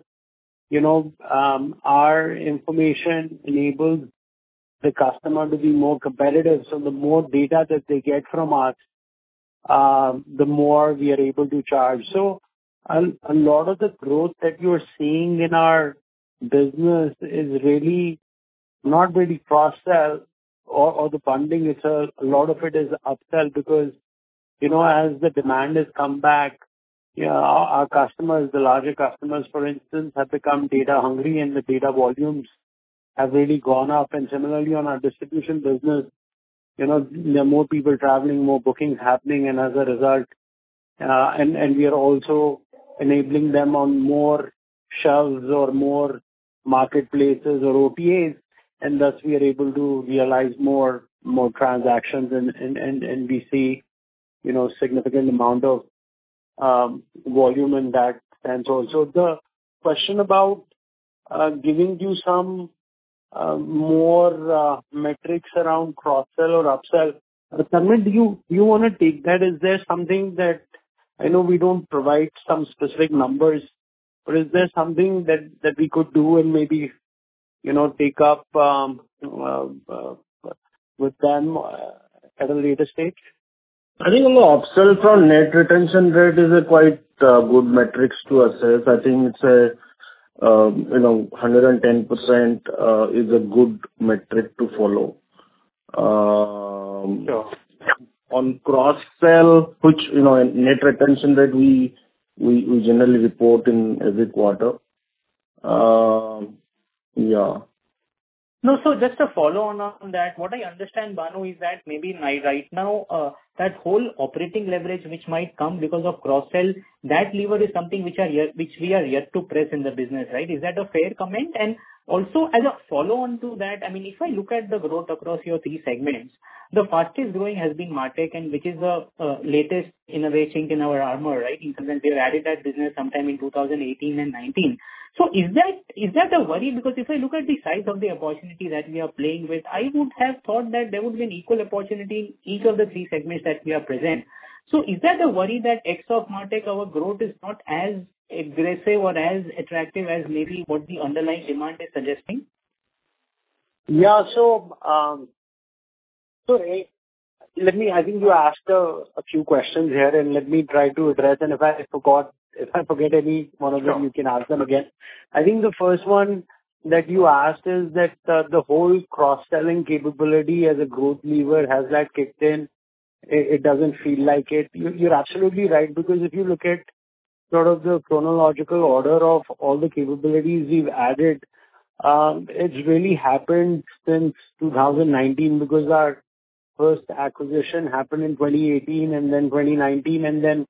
you know, our information enables the customer to be more competitive. The more data that they get from us, the more we are able to charge. A lot of the growth that you're seeing in our business is not really cross-sell or the bundling itself. A lot of it is upsell because, you know, as the demand has come back, our customers, the larger customers, for instance, have become data hungry and the data volumes have really gone up. Similarly, on our distribution business, you know, there are more people traveling, more bookings happening, and as a result, we are also enabling them on more shelves or more marketplaces or OTAs, and thus we are able to realize more transactions. We see, you know, significant amount of volume in that sense also. The question about giving you some more metrics around cross-sell or upsell, Sumit, do you wanna take that? Is there something that I know we don't provide some specific numbers, but is there something that we could do and maybe, you know, take up with them at a later stage? I think, you know, upsell from net retention rate is a quite good metrics to assess. I think it's a, you know, 110% is a good metric to follow. Yeah. On cross-sell, which, you know, net retention that we generally report in every quarter. Yeah. No. Just to follow on that. What I understand, Bhanu, is that maybe right now, that whole operating leverage which might come because of cross-sell, that lever is something which we are yet to press in the business, right? Is that a fair comment? Also, as a follow-on to that, I mean, if I look at the growth across your three segments, the fastest growing has been MarTech, which is the latest innovation in our arsenal, right? In terms of we added that business sometime in 2018 and 2019. Is that a worry? Because if I look at the size of the opportunity that we are playing with, I would have thought that there would be an equal opportunity in each of the three segments that we are present in. Is that a worry that except MarTech, our growth is not as aggressive or as attractive as maybe what the underlying demand is suggesting? I think you asked a few questions here, and let me try to address. If I forget any one of them. Sure. You can ask them again. I think the first one that you asked is that the whole cross-selling capability as a growth lever, has that kicked in? It doesn't feel like it. You're absolutely right because if you look at sort of the chronological order of all the capabilities we've added, it's really happened since 2019 because our first acquisition happened in 2018 and then 2019.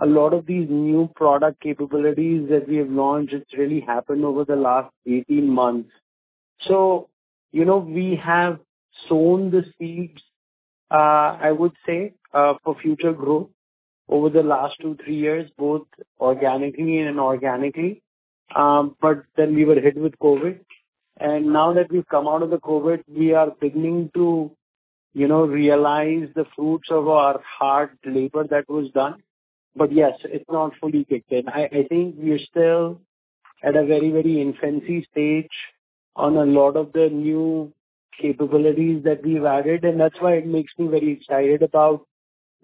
A lot of these new product capabilities that we have launched, it's really happened over the last 18 months. You know, we have sown the seeds, I would say, for future growth over the last 2-3 years, both organically and inorganically. We were hit with COVID. Now that we've come out of the COVID, we are beginning to, you know, realize the fruits of our hard labor that was done. Yes, it's not fully kicked in. I think we are still at a very infancy stage on a lot of the new capabilities that we've added, and that's why it makes me very excited about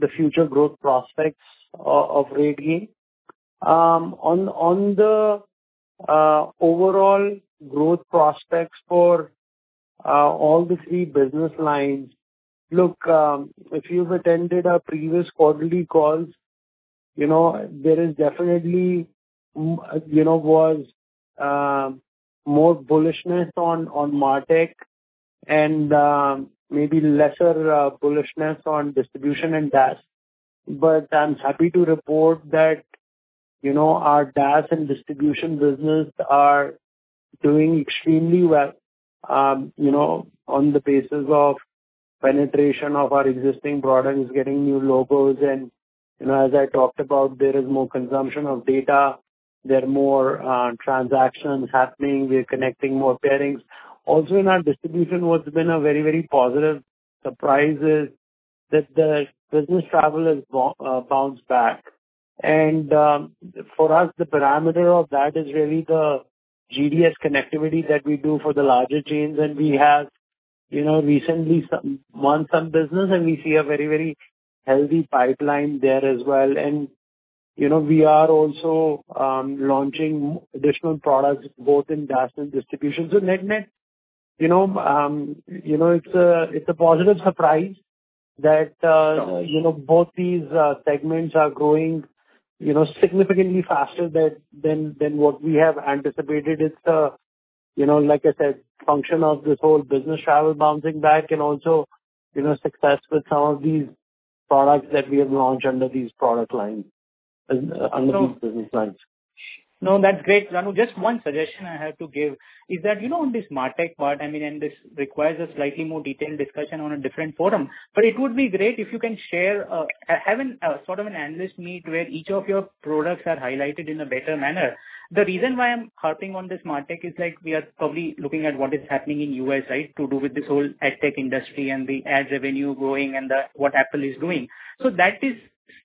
the future growth prospects of RateGain. On the overall growth prospects for all the three business lines. Look, if you've attended our previous quarterly calls, you know, there is definitely more bullishness on MarTech and maybe lesser bullishness on distribution and DaaS. I'm happy to report that you know, our DaaS and distribution business are doing extremely well. You know, on the basis of penetration of our existing products, getting new logos and, you know, as I talked about, there is more consumption of data. There are more transactions happening. We're connecting more pairings. Also in our distribution, what's been a very, very positive surprise is that the business travel has bounced back. For us, the parameter of that is really the GDS connectivity that we do for the larger chains. We have, you know, recently won some business, and we see a very, very healthy pipeline there as well. You know, we are also launching additional products both in DaaS and distribution. Net-net, you know, it's a positive surprise that both these segments are growing significantly faster than what we have anticipated. It's a, you know, like I said, function of this whole business travel bouncing back and also, you know, success with some of these products that we have launched under these product lines, under these business lines. No, that's great, Bhanu. Just one suggestion I have to give is that, you know, on this MarTech part, I mean, and this requires a slightly more detailed discussion on a different forum, but it would be great if you can share a sort of an analyst meet where each of your products are highlighted in a better manner. The reason why I'm harping on this MarTech is like we are probably looking at what is happening in U.S., right? To do with this whole AdTech industry and the ad revenue growing and the what Apple is doing. That is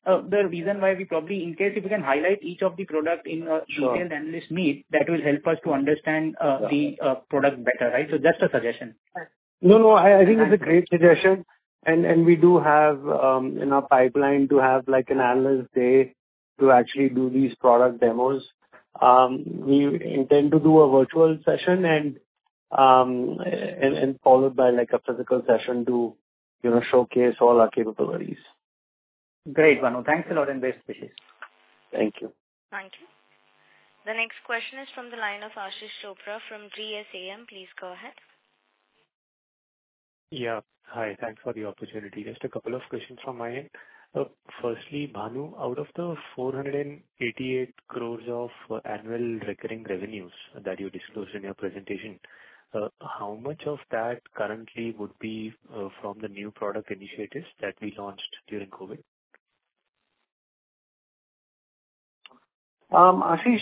the reason why we probably in case if you can highlight each of the product in a detailed analyst meet, that will help us to understand the product better, right? Just a suggestion. No, I think it's a great suggestion. We do have in our pipeline to have like an analyst day to actually do these product demos. We intend to do a virtual session and followed by like a physical session to, you know, showcase all our capabilities. Great, Bhanu. Thanks a lot and best wishes. Thank you. Thank you. The next question is from the line of Ashish Chopra from GSAM. Please go ahead. Yeah. Hi. Thanks for the opportunity. Just a couple of questions from my end. Firstly, Bhanu, out of the 488 crore of annual recurring revenues that you disclosed in your presentation, how much of that currently would be from the new product initiatives that we launched during COVID? Ashish,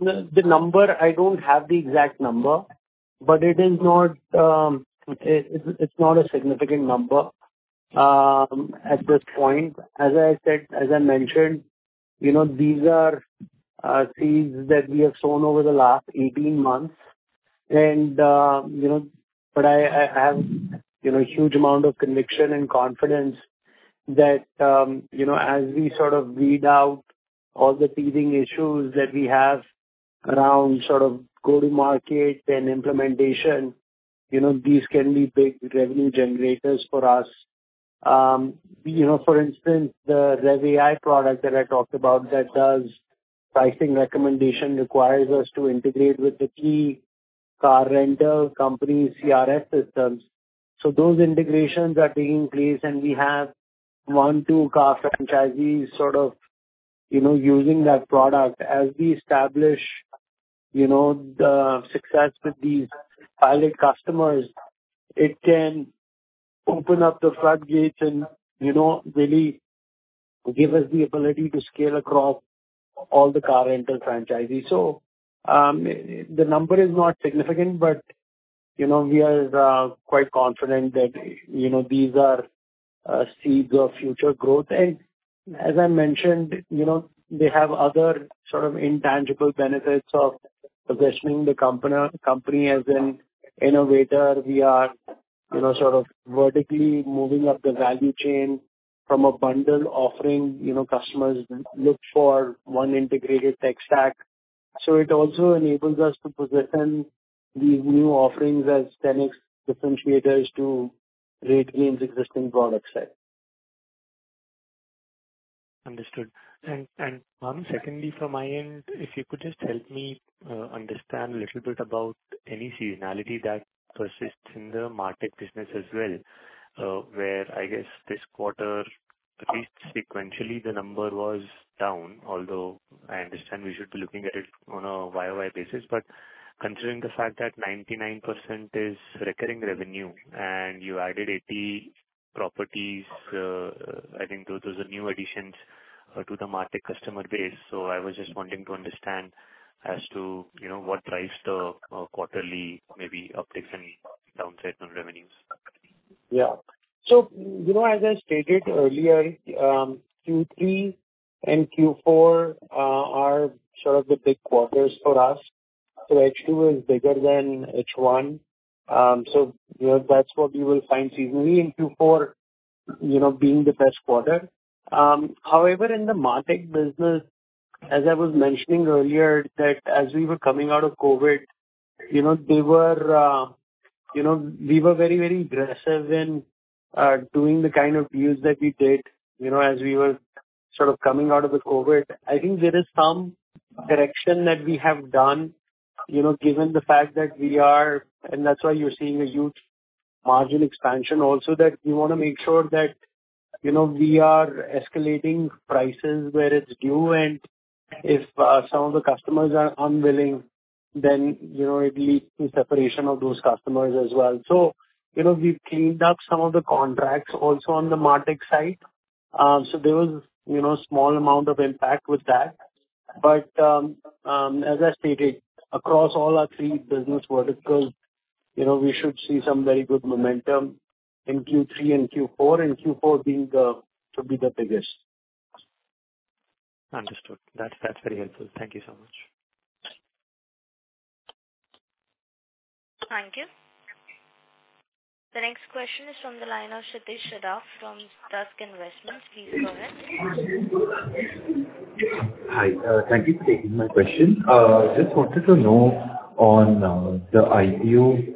the number, I don't have the exact number, but it's not a significant number, at this point. As I said, as I mentioned, you know, these are seeds that we have sown over the last 18 months and, you know. I have, you know, a huge amount of conviction and confidence that, you know, as we sort of weed out all the teething issues that we have around sort of go-to-market and implementation, you know, these can be big revenue generators for us. You know, for instance, the revAI product that I talked about that does pricing recommendation requires us to integrate with the key car rental company's CRS systems. Those integrations are being placed, and we have one, two car franchisees sort of, you know, using that product. As we establish, you know, the success with these pilot customers, it can open up the floodgates and, you know, really give us the ability to scale across all the car rental franchisees. The number is not significant but, you know, we are quite confident that, you know, these are seeds of future growth. As I mentioned, you know, they have other sort of intangible benefits of positioning the company as an innovator. We are, you know, sort of vertically moving up the value chain from a bundle offering. You know, customers look for one integrated tech stack. It also enables us to position these new offerings as 10X differentiators to RateGain's existing product set. Understood. Bhanu, secondly from my end, if you could just help me understand little bit about any seasonality that persists in the MarTech business as well, where I guess this quarter, at least sequentially, the number was down. Although I understand we should be looking at it on a Y-o-Y basis, but considering the fact that 99% is recurring revenue and you added 80 properties, I think those are new additions to the MarTech customer base. I was just wanting to understand as to, you know, what drives the quarterly maybe upticks and downsides on revenues. Yeah. You know, as I stated earlier, Q3 and Q4 are sort of the big quarters for us. H2 is bigger than H1. You know, that's what we will find seasonally in Q4, you know, being the best quarter. However, in the MarTech business, as I was mentioning earlier, that as we were coming out of COVID, you know, they were, you know, we were very, very aggressive in doing the kind of deals that we did. You know, as we were sort of coming out of the COVID. I think there is some correction that we have done, you know, given the fact that we are, and that's why you're seeing a huge margin expansion also that we wanna make sure that, you know, we are escalating prices where it's due and if some of the customers are unwilling then, you know, it leads to separation of those customers as well. You know, we've cleaned up some of the contracts also on the MarTech side. There was, you know, small amount of impact with that. As I stated, across all our three business verticals, you know, we should see some very good momentum in Q3 and Q4, and Q4 being the, to be the biggest. Understood. That's very helpful. Thank you so much. Thank you. The next question is from the line of Hitesh Yadav from Dusk Investments. Please go ahead. Hi. Thank you for taking my question. Just wanted to know on the IPO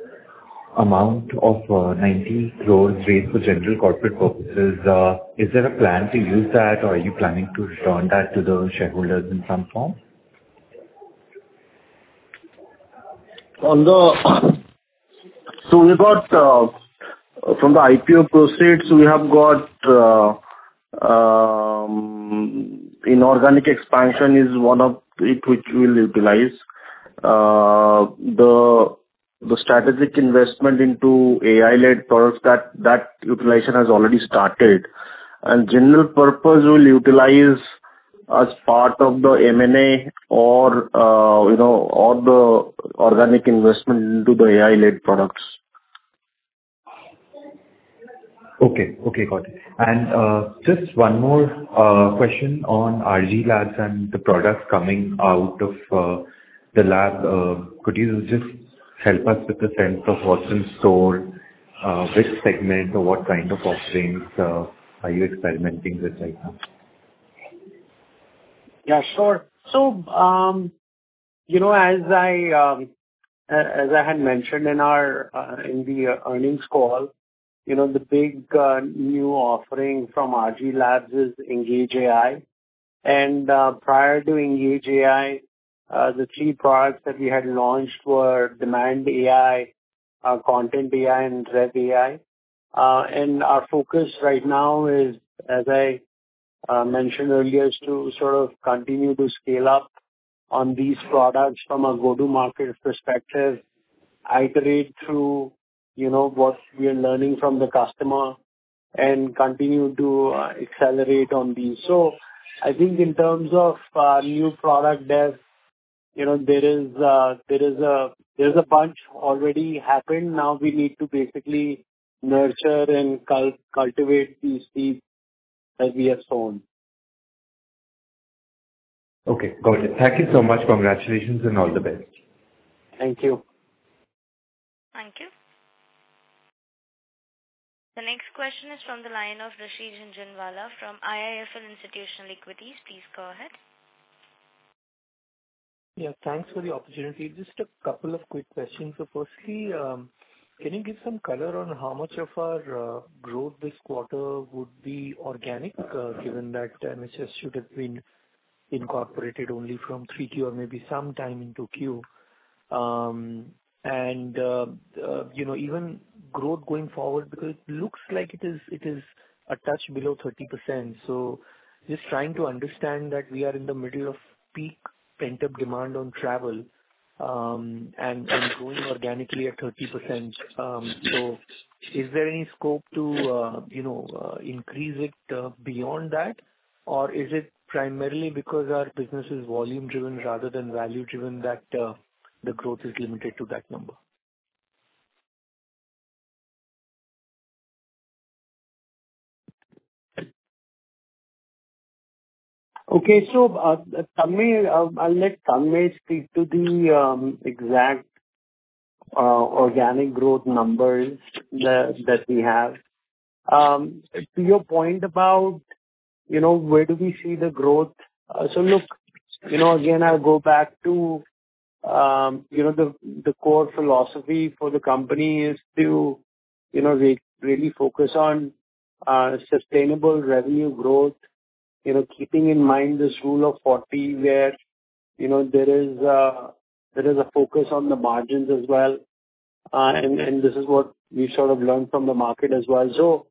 amount of 90 crores raised for general corporate purposes, is there a plan to use that or are you planning to return that to the shareholders in some form? We have got from the IPO proceeds, inorganic expansion is one of it which we'll utilize. The strategic investment into AI-led products that utilization has already started. General purpose we'll utilize as part of the M&A or the organic investment into the AI-led products. Okay, got it. Just one more question on RG Labs and the products coming out of the lab. Could you just help us with the sense of what's in store, which segment or what kind of offerings are you experimenting with right now? Yeah, sure. You know, as I had mentioned in our earnings call, you know, the big new offering from RG Labs is Engage AI. Prior to Engage AI, the three products that we had launched were Demand AI, Content AI, and RevAI. Our focus right now is, as I mentioned earlier, to sort of continue to scale up on these products from a go-to-market perspective, iterate through, you know, what we are learning from the customer and continue to accelerate on these. I think in terms of new product dev, you know, there is a bunch already happened, now we need to basically nurture and cultivate these seeds that we have sown. Okay, got it. Thank you so much. Congratulations and all the best. Thank you. Thank you. The next question is from the line of Rishi Jhunjhunwala from IIFL Institutional Equities. Please go ahead. Yeah. Thanks for the opportunity. Just a couple of quick questions. Firstly, can you give some color on how much of our growth this quarter would be organic, given that DHISCO should have been incorporated only from 3Q or maybe sometime in 2Q. You know, even growth going forward, because it looks like it is a touch below 30%. Just trying to understand that we are in the middle of peak pent-up demand on travel, and growing organically at 30%. Is there any scope to increase it beyond that? Or is it primarily because our business is volume-driven rather than value-driven that the growth is limited to that number? Okay. Tanmaya Das, I'll let Tanmaya Das speak to the exact organic growth numbers that we have. To your point about, you know, where do we see the growth? Look, you know, again, I'll go back to you know, the core philosophy for the company is to, you know, really focus on sustainable revenue growth. You know, keeping in mind this Rule of 40 where, you know, there is a focus on the margins as well. This is what we sort of learned from the market as well.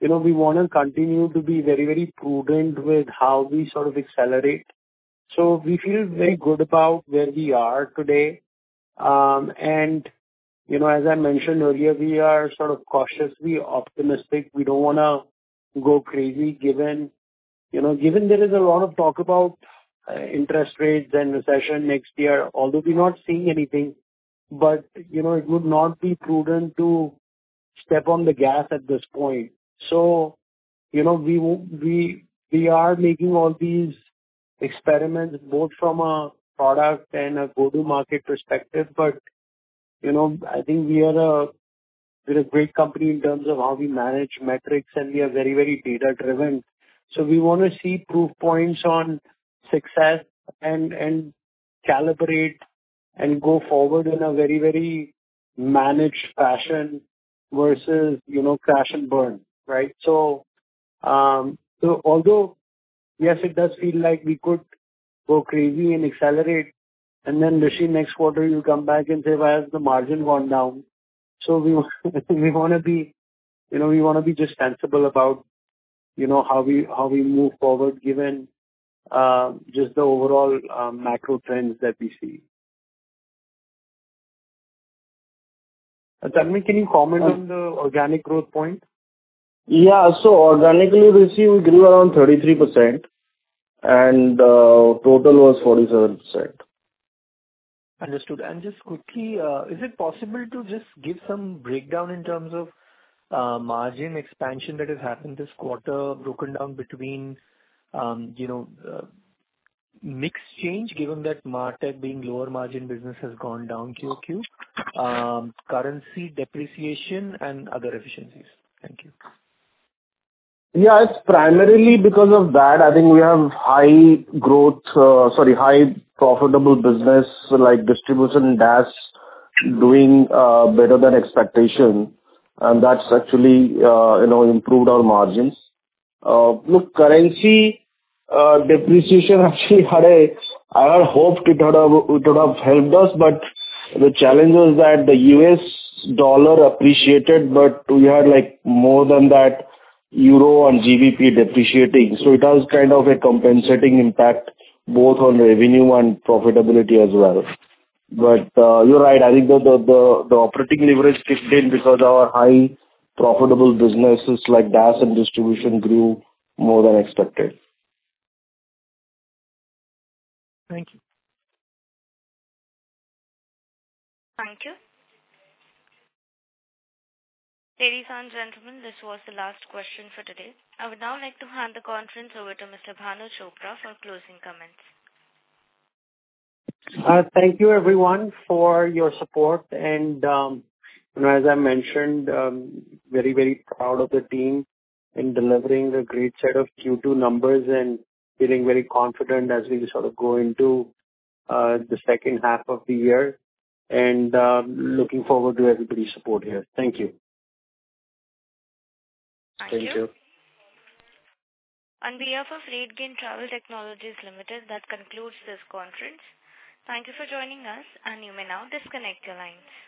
You know, we wanna continue to be very, very prudent with how we sort of accelerate. We feel very good about where we are today. You know, as I mentioned earlier, we are sort of cautiously optimistic. We don't wanna go crazy given, you know, given there is a lot of talk about interest rates and recession next year, although we're not seeing anything. You know, it would not be prudent to step on the gas at this point. You know, we are making all these experiments, both from a product and a go-to-market perspective. You know, I think we're a great company in terms of how we manage metrics, and we are very, very data-driven. We wanna see proof points on success and calibrate and go forward in a very, very managed fashion versus, you know, crash and burn, right? Although Yes, it does feel like we could go crazy and accelerate, and then, Rishi, next quarter you'll come back and say, "Why has the margin gone down?" So we wanna be, you know, we wanna be just sensible about, you know, how we move forward given just the overall macro trends that we see. Tanmaya, can you comment on the organic growth point? Yeah. Organically, we see we grew around 33% and total was 47%. Understood. Just quickly, is it possible to just give some breakdown in terms of margin expansion that has happened this quarter, broken down between you know mix change, given that MarTech being lower margin business has gone down QOQ, currency depreciation and other efficiencies. Thank you. Yeah. It's primarily because of that. I think we have high profitable business like distribution and DaaS doing better than expectation, and that's actually, you know, improved our margins. Look, I had hoped it would have helped us, but the challenge is that the US dollar appreciated, but we had, like, more than that euro and GBP depreciating. It has kind of a compensating impact both on revenue and profitability as well. You're right. I think the operating leverage kicked in because our high profitable businesses like DaaS and distribution grew more than expected. Thank you. Thank you. Ladies and gentlemen, this was the last question for today. I would now like to hand the conference over to Mr. Bhanu Chopra for closing comments. Thank you, everyone, for your support and, you know, as I mentioned, very, very proud of the team in delivering a great set of Q2 numbers and feeling very confident as we sort of go into the second half of the year and looking forward to everybody's support here. Thank you. Thank you. Thank you. On behalf of RateGain Travel Technologies Limited, that concludes this conference. Thank you for joining us, and you may now disconnect your lines.